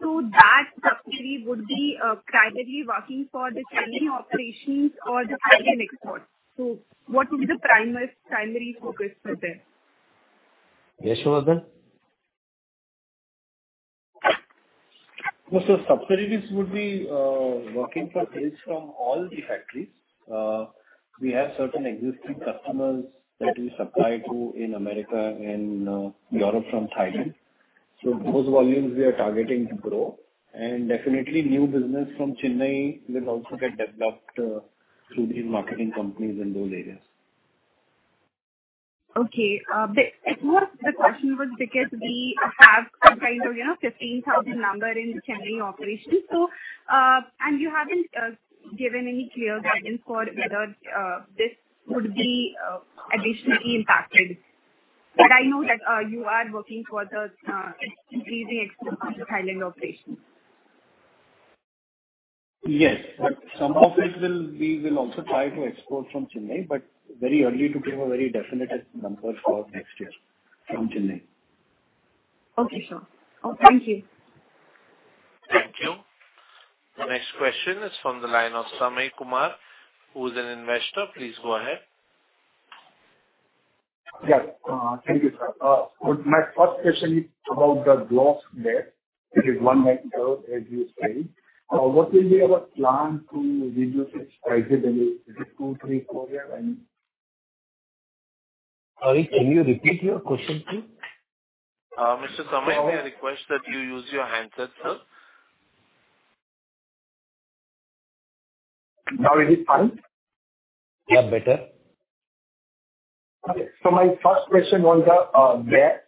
so that subsidiary would be primarily working for the Chennai operations or the Thailand exports. So what would be the primary focus for there? Yashovardhan? Yes. Subsidiaries would be working for sales from all the factories. We have certain existing customers that we supply to in America and Europe from Thailand. Those volumes, we are targeting to grow. And definitely, new business from Chennai will also get developed through these marketing companies in those areas. Okay. But the question was because we have some kind of 15,000 number in the Chennai operations. You haven't given any clear guidance for whether this would be additionally impacted. But I know that you are working for the increasing exports from Thailand operations. Yes. But some of it, we will also try to export from Chennai, but very early to give a very definite number for next year from Chennai. Okay. Sure. Thank you. Thank you. The next question is from the line of Samir Kumar, who is an investor. Please go ahead. Thank you, sir. My first question is about the growth there, which is one month ago, as you said. What will be our plan to reduce its prices? Is it two, three quarters, I mean? Sorry. Can you repeat your question, please? Mr. Samir, may I request that you use your handset, sir? Now is it fine? Yeah. Better. Okay. So my first question was there.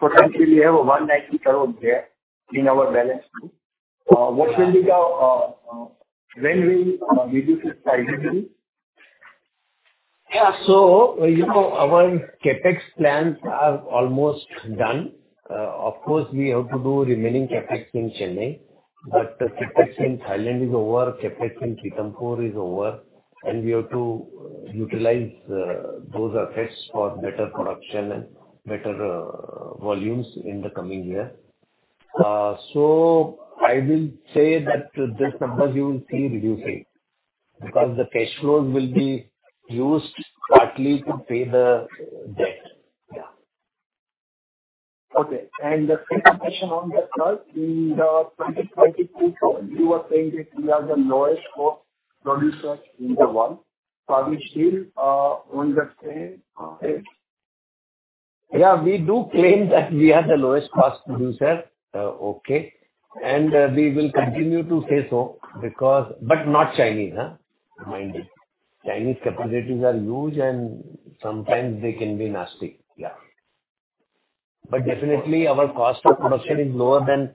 Potentially, we have INR 190 crores there in our balance. What will be the when we reduce its prices? Our CapEx plans are almost done. Of course, we have to do remaining CapEx in Chennai. But the CapEx in Thailand is over. CapEx in Pithampur is over. We have to utilize those assets for better production and better volumes in the coming year. I will say that these numbers, you will see reducing because the cash flows will be used partly to pay the debt. Okay. And the same question on the curve. In 2022, you were saying that we are the lowest-cost producer in the world. Are we still on the same price? We do claim that we are the lowest-cost producer. And we will continue to say so because but not Chinese, mind you. Chinese capabilities are huge, and sometimes, they can be nasty. But definitely, our cost of production is lower than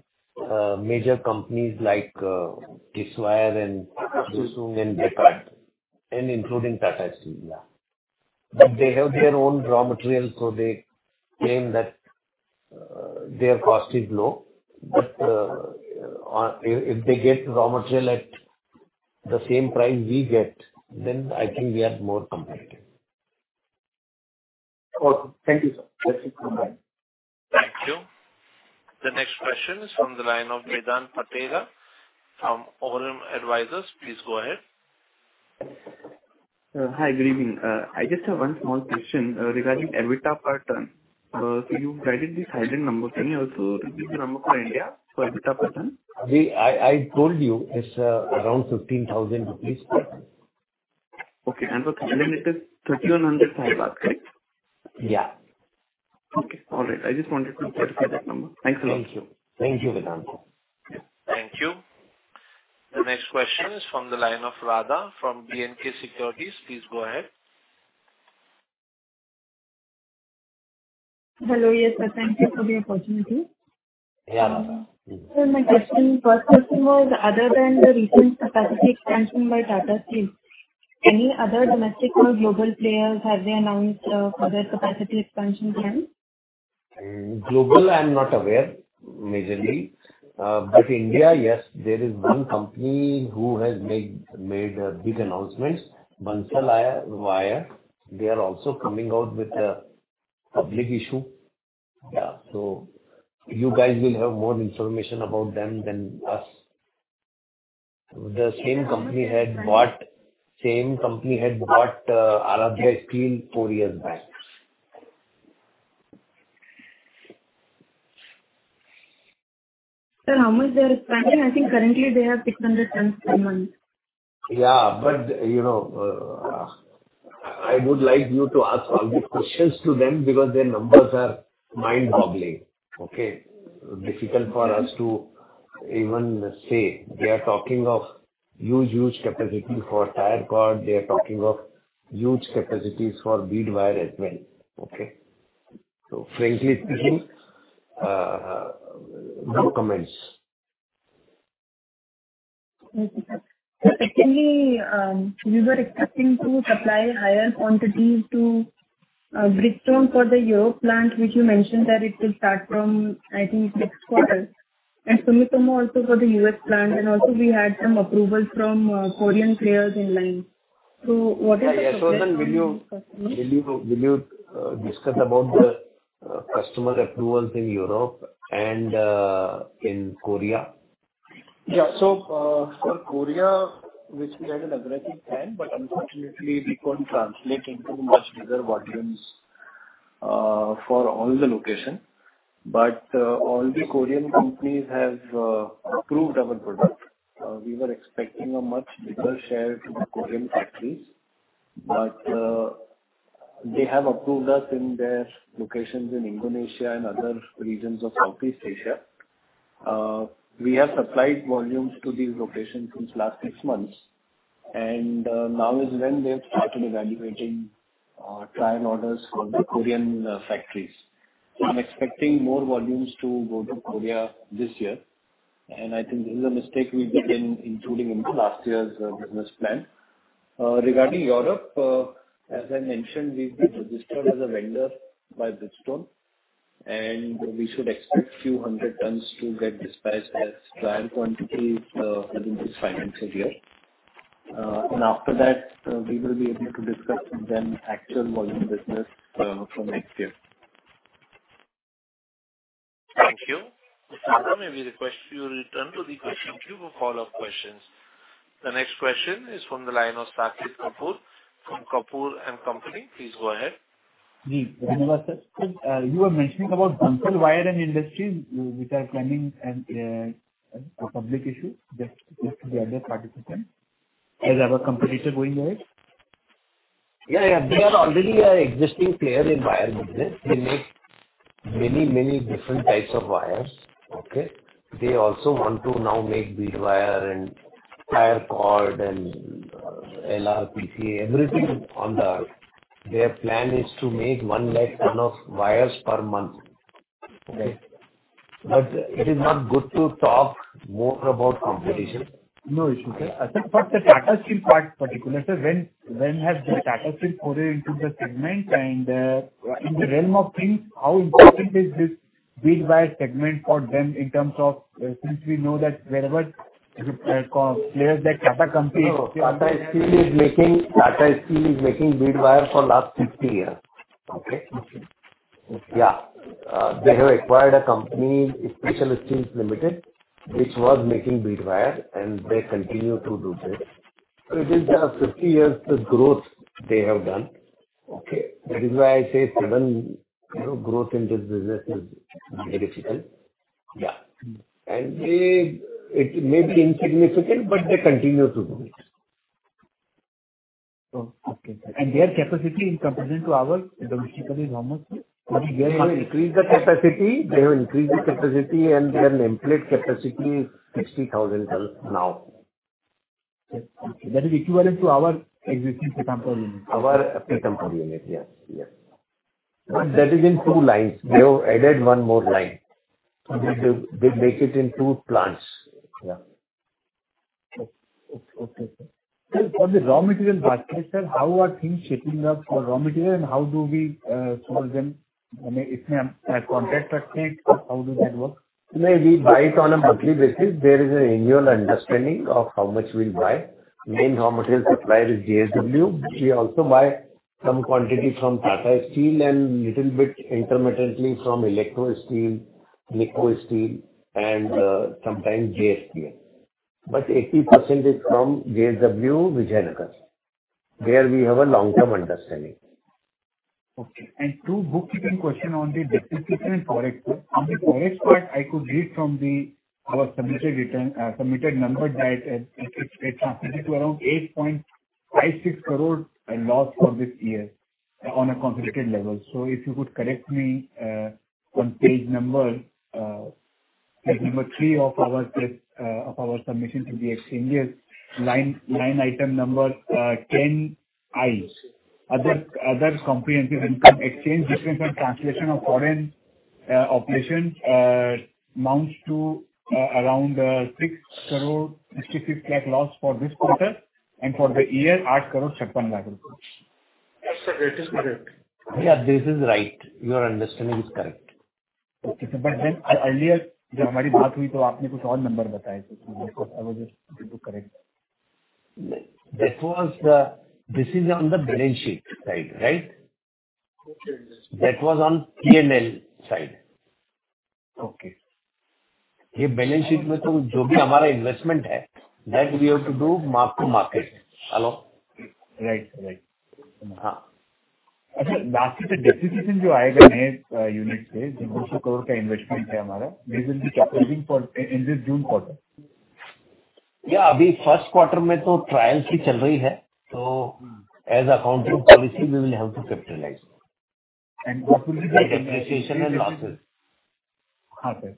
major companies like Kisswire and Hyosung and Bekaert, including Tata Steel. But they have their own raw material, so they claim that their cost is low. But if they get raw material at the same price we get, then I think we are more competitive. Okay. Thank you, sir. That's it from my side. Thank you. The next question is from the line of Nidan Patira from Aurum Advisors. Please go ahead. Hi. Good evening. I just have one small question regarding EBITDA per ton. So you guided this current number. Can you also repeat the number for India for EBITDA per ton? I told you it's around ₹15,000 per ton. Okay. And for Thailand, it is ฿3,105, correct? Yeah. Okay. All right. I just wanted to clarify that number. Thanks a lot. Thank you. Thank you, Vedanta. Thank you. The next question is from the line of Radha from B&K Securities. Please go ahead. Hello. Yes, sir. Thank you for the opportunity. Yeah, Radha. My first question was, other than the recent capacity expansion by Tata Steel, any other domestic or global players, have they announced further capacity expansion plans? Globally, I'm not aware majorly. But India, yes, there is one company who has made big announcements, Bansal Wire. They are also coming out with a public issue. Yeah. So you guys will have more information about them than us. The same company had bought Aradhya Steel four years back. How much are they expanding? I think currently, they have 600 tons per month. But I would like you to ask all these questions to them because their numbers are mind-boggling. Difficult for us to even say. They are talking of huge, huge capacity for tire cord. They are talking of huge capacities for bead wire as well. So frankly speaking, no comments. Secondly, we were expecting to supply higher quantities to Bridgestone for the Europe plant, which you mentioned that it will start from, I think, sixth quarter. Sumitomo also for the US plant. We had some approvals from Korean players in line. What is the question? Yashovardhan, will you discuss the customer approvals in Europe and in Korea? For Korea, which we had an aggressive plan, but unfortunately, we couldn't translate into much bigger volumes for all the locations. But all the Korean companies have approved our product. We were expecting a much bigger share to the Korean factories. But they have approved us in their locations in Indonesia and other regions of Southeast Asia. We have supplied volumes to these locations since last six months. Now is when they've started evaluating trial orders for the Korean factories. I'm expecting more volumes to go to Korea this year. I think this is a mistake we did in including in the last year's business plan. Regarding Europe, as I mentioned, we've been registered as a vendor by Bridgestone. We should expect a few hundred tons to get dispatched as trial quantities within this financial year. After that, we will be able to discuss with them actual volume business from next year. Thank you. Radha, maybe the question you return to the question queue for follow-up questions. The next question is from the line of Saket Kapoor from Kapoor and Company. Please go ahead. Give one more question. You were mentioning about Bansal Wire and Industries, which are claiming a public issue, just to the other participants. Is our competitor going there? Yeah. Yeah. They are already an existing player in wire business. They make many, many different types of wires. Okay? They also want to now make bead wire and tire cord and LRPC, everything on their. Their plan is to make 100 tons of wires per month. Okay? But it is not good to talk more about competition. No issue. I think for the Tata Steel part in particular, sir, when has Tata Steel fallen into the segment? And in the realm of things, how important is this bead wire segment for them in terms of since we know that wherever players like Tata Company. Tata Steel is making bead wire for the last 50 years. They have acquired a company, Special Steels Limited, which was making bead wire, and they continue to do this. It is 50 years the growth they have done. That is why I say growth in this business is very difficult. It may be insignificant, but they continue to do it. Okay. And their capacity in comparison to ours domestically is almost. They have increased the capacity. Their nameplate capacity is 60,000 tons now. Okay. That is equivalent to our existing Pithampur unit. Our Pithampur unit. Yes. But that is in two lines. They have added one more line. They make it in two plants. Yeah. Okay. Sir, for the raw material basket, sir, how are things shaping up for raw material? And how do we store them? I mean, if we have contract, how does that work? We buy it on a monthly basis. There is an annual understanding of how much we'll buy. Main raw material supplier is JSW. We also buy some quantity from Tata Steel and a little bit intermittently from Electrosteel, Neco Steel, and sometimes JSPL. But 80% is from JSW, Vijayanagar. There, we have a long-term understanding. Okay. And two bookkeeping questions on the deficit and forex. On the forex part, I could read from our submitted number that it transmitted to around 8.56 crores in loss for this year on a consolidated level. So if you could correct me on page number three of our submission to the exchanges, line item number 10I, other comprehensive income exchange difference and translation of foreign operations amounts to around 6 crores 66 lakhs loss for this quarter and for the year, 8 crores 56 lakhs. Yes, sir. That is correct. Yeah. This is right. Your understanding is correct. Okay. But then earlier, when हमारी बात हुई, तो आपने कुछ और number बताए थे, sir. I was just going to correct. This is on the balance sheet side, right? Okay. That was on P&L side. Okay. ये balance sheet में तो जो भी हमारा investment है, that we have to do mark to market. Hello? Right. Right. हाँ। अच्छा, last year का depreciation जो आएगा नए unit से, जो INR 200 crore का investment है हमारा, we will be capitalizing for in this June quarter. Yeah. अभी Q1 में तो trials ही चल रही है। So as accounting policy, we will have to capitalize. What will be the depreciation and losses? हाँ, sir.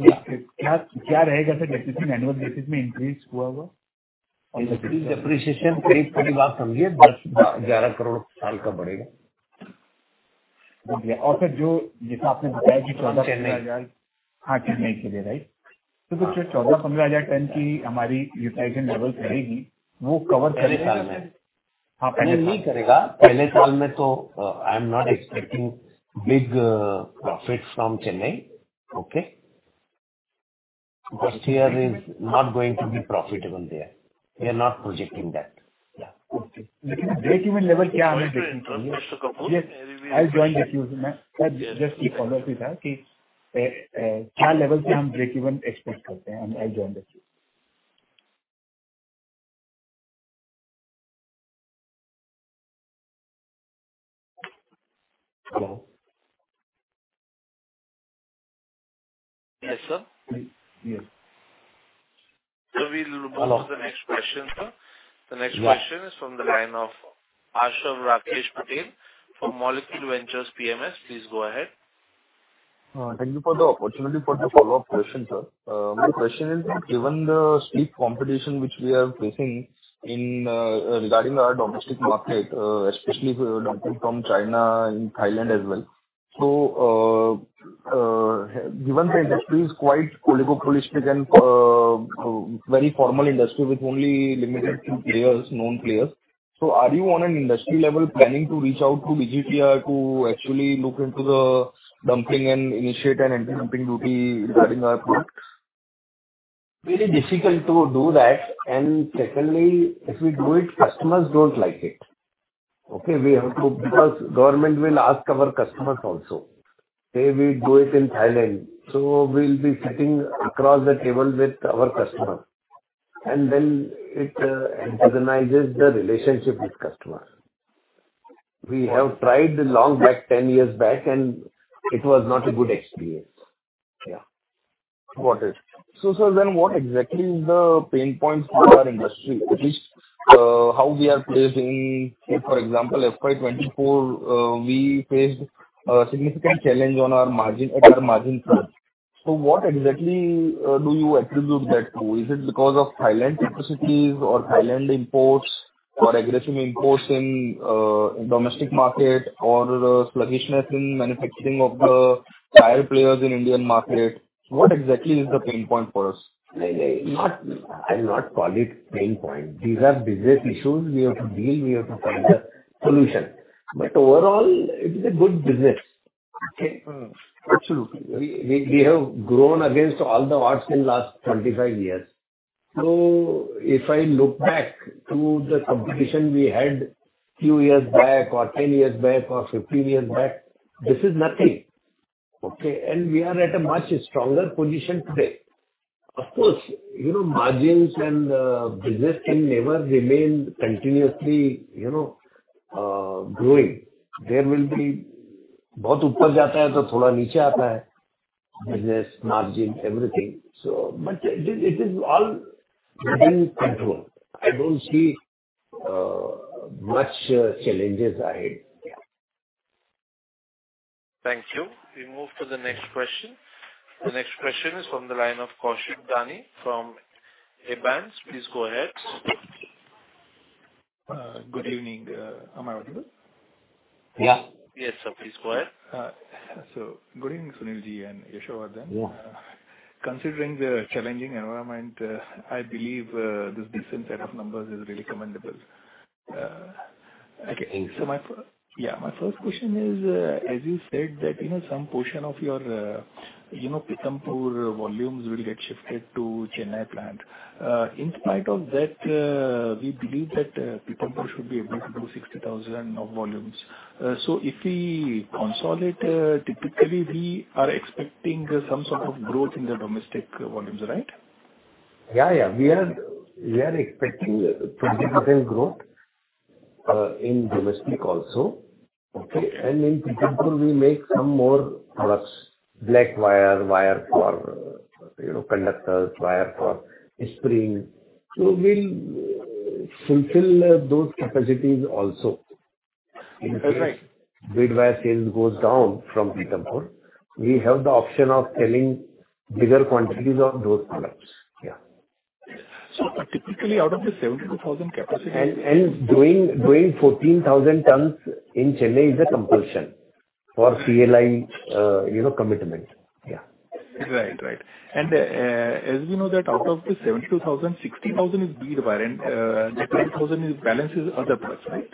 क्या रहेगा, sir, depreciation annual basis में increase हुआ है? Depreciation करीब-करीब आप समझिए INR 10-11 करोड़ साल का बढ़ेगा। और sir, जैसा आपने बताया कि INR 14-15 हज़ार। हाँ, चेन्नई के लिए, right? तो जो 14-15 हज़ार ton की हमारी utilization levels रहेगी, वो कवर करेगा। पहले साल में? हाँ, पहले साल में। नहीं करेगा। पहले साल में तो I am not expecting big profit from Chennai. Okay? First year is not going to be profitable there. We are not projecting that. Yeah. Okay. लेकिन break-even level क्या हमें देखनी चाहिए? Yes. I'll join the queue. Just follow-up ही था कि क्या level से हम break-even expect करते हैं। I'll join the queue. Hello? Yes, sir? Yes. We will move to the next question, sir. The next question is from the line of Aashav Rakesh Patel from Molecule Ventures PMS. Please go ahead. Thank you for the opportunity for the follow-up question, sir. My question is, given the steep competition which we are facing regarding our domestic market, especially from China and Thailand as well, so given the industry is quite oligopolistic and very formal industry with only limited known players, are you on an industry level planning to reach out to DGTR to actually look into the dumping and initiate an anti-dumping duty regarding our product? Very difficult to do that. Secondly, if we do it, customers don't like it. We have to because government will ask our customers also. Say we do it in Thailand. So we'll be sitting across the table with our customers. Then it antagonizes the relationship with customers. We have tried long back, 10 years back, and it was not a good experience. Got it. So sir, then what exactly is the pain points for our industry, at least how we are placed in? For example, FY24, we faced a significant challenge at our margin cut. So what exactly do you attribute that to? Is it because of Thailand's capacities or Thailand imports or aggressive imports in domestic market or sluggishness in manufacturing of the tire players in the Indian market? What exactly is the pain point for us? I'll not call it pain point. These are business issues we have to deal with. We have to find a solution. But overall, it is a good business. Okay? Absolutely. We have grown against all the odds in the last 25 years. If I look back to the competition we had a few years back or 10 years back or 15 years back, this is nothing. And we are at a much stronger position today. Of course, margins and business never remain continuously growing. There will be बहुत ऊपर जाता है तो थोड़ा नीचे आता है, business, margin, everything. But it is all within control. I don't see much challenges ahead. Thank you. We move to the next question. The next question is from the line of Kaushik Dani from Abans. Please go ahead. Good evening. Am I audible? Yeah. Yes, sir. Please go ahead. Good evening, Sunil and Yashovardhan. Considering the challenging environment, I believe this decent set of numbers is really commendable. Okay. Thanks. Yeah. My first question is, as you said, that some portion of your Pithampur volumes will get shifted to Chennai plant. In spite of that, we believe that Pithampur should be able to do 60,000 of volumes. So if we consolidate, typically, we are expecting some sort of growth in the domestic volumes, right? Yeah. Yeah. We are expecting 20% growth in domestic also. Okay? In Pithampur, we make some more products: black wire, wire for conductors, wire for springs. So we'll fulfill those capacities also. That's right. If bead wire sales go down from Pithampur, we have the option of selling bigger quantities of those products. Yeah. Typically, out of the 72,000 capacity. And doing 14,000 tons in Chennai is a compulsion for PLI commitment. Yeah. Right. Right. And as we know that out of the 72,000, 60,000 is bead wire, and the 12,000 balances other products, right?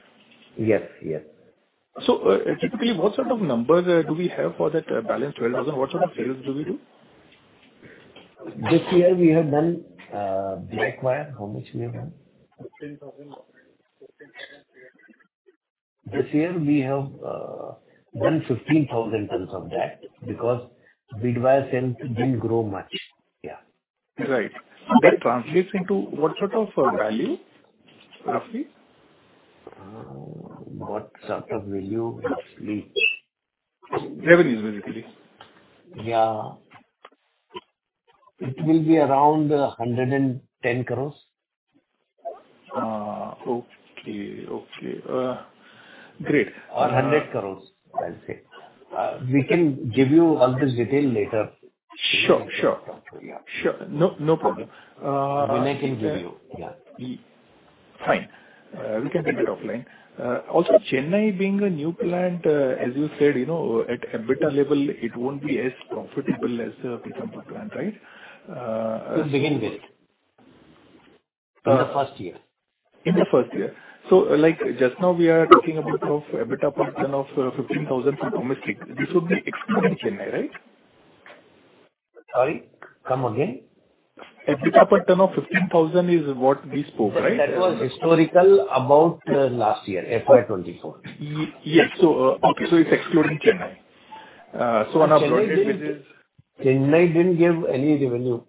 Yes. Yes. Typically, what sort of number do we have for that balanced $12,000? What sort of sales do we do? This year, we have done black wire. How much have we done? 15,000. 15,000. This year, we have done 15,000 tons of that because bead wire sales didn't grow much. Right. That translates into what sort of value, roughly? What sort of value roughly? Revenues, basically. Yeah. It will be around 110 crores. Okay. Okay. Great. Or 100 crores, I'll say. We can give you all this detail later. Sure. Sure. Yeah. Sure. No problem. When I can give you. Yeah. Fine. We can do that offline. Also, Chennai being a new plant, as you said, at EBITDA level, it won't be as profitable as Pithampur plant, right? To begin with, in the first year. In the first year. Just now, we are talking about EBITDA per ton of $15,000 from domestic. This would be excluding Chennai, right? Sorry? Come again? EBITDA per ton of $15,000 is what we spoke, right? That was historical about last year, FY24. Yes. Okay. It's excluding Chennai on a broader basis. Chennai didn't give any revenue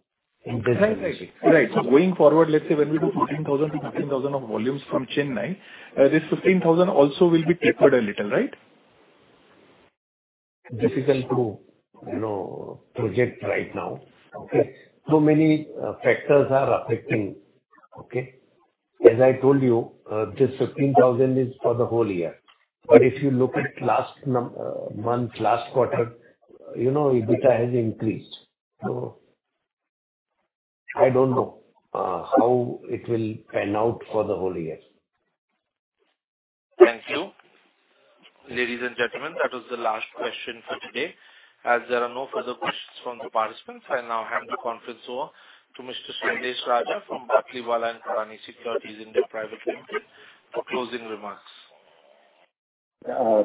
in business. Exactly. Right. Going forward, let's say when we do 15,000 to 15,000 of volumes from Chennai, this 15,000 also will be tapered a little, right? Difficult to project right now. So many factors are affecting. As I told you, this $15,000 is for the whole year. But if you look at last month, last quarter, EBITDA has increased. So I don't know how it will pan out for the whole year. Thank you, ladies and gentlemen. That was the last question for today. As there are no further questions from the participants, I now hand the conference over to Mr. Sailesh Raja from Batlivala and Karani Securities India Private Limited for closing remarks.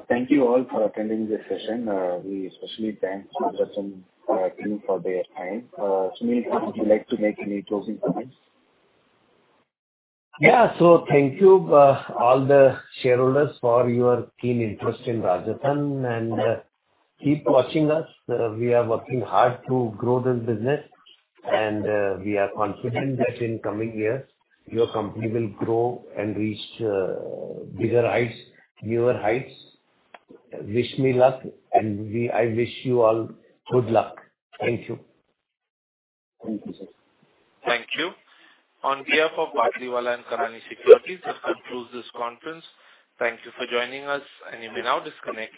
Thank you all for attending this session. We especially thank Rajratan team for their time. Sunil, would you like to make any closing comments? Thank you, all the shareholders, for your keen interest in Rajratan. Keep watching us. We are working hard to grow this business. We are confident that in coming years, your company will grow and reach bigger heights, newer heights. Wish me luck. I wish you all good luck. Thank you. Thank you, sir. Thank you. On behalf of Batlivala and Karani Securities, this concludes this conference. Thank you for joining us, and you may now disconnect.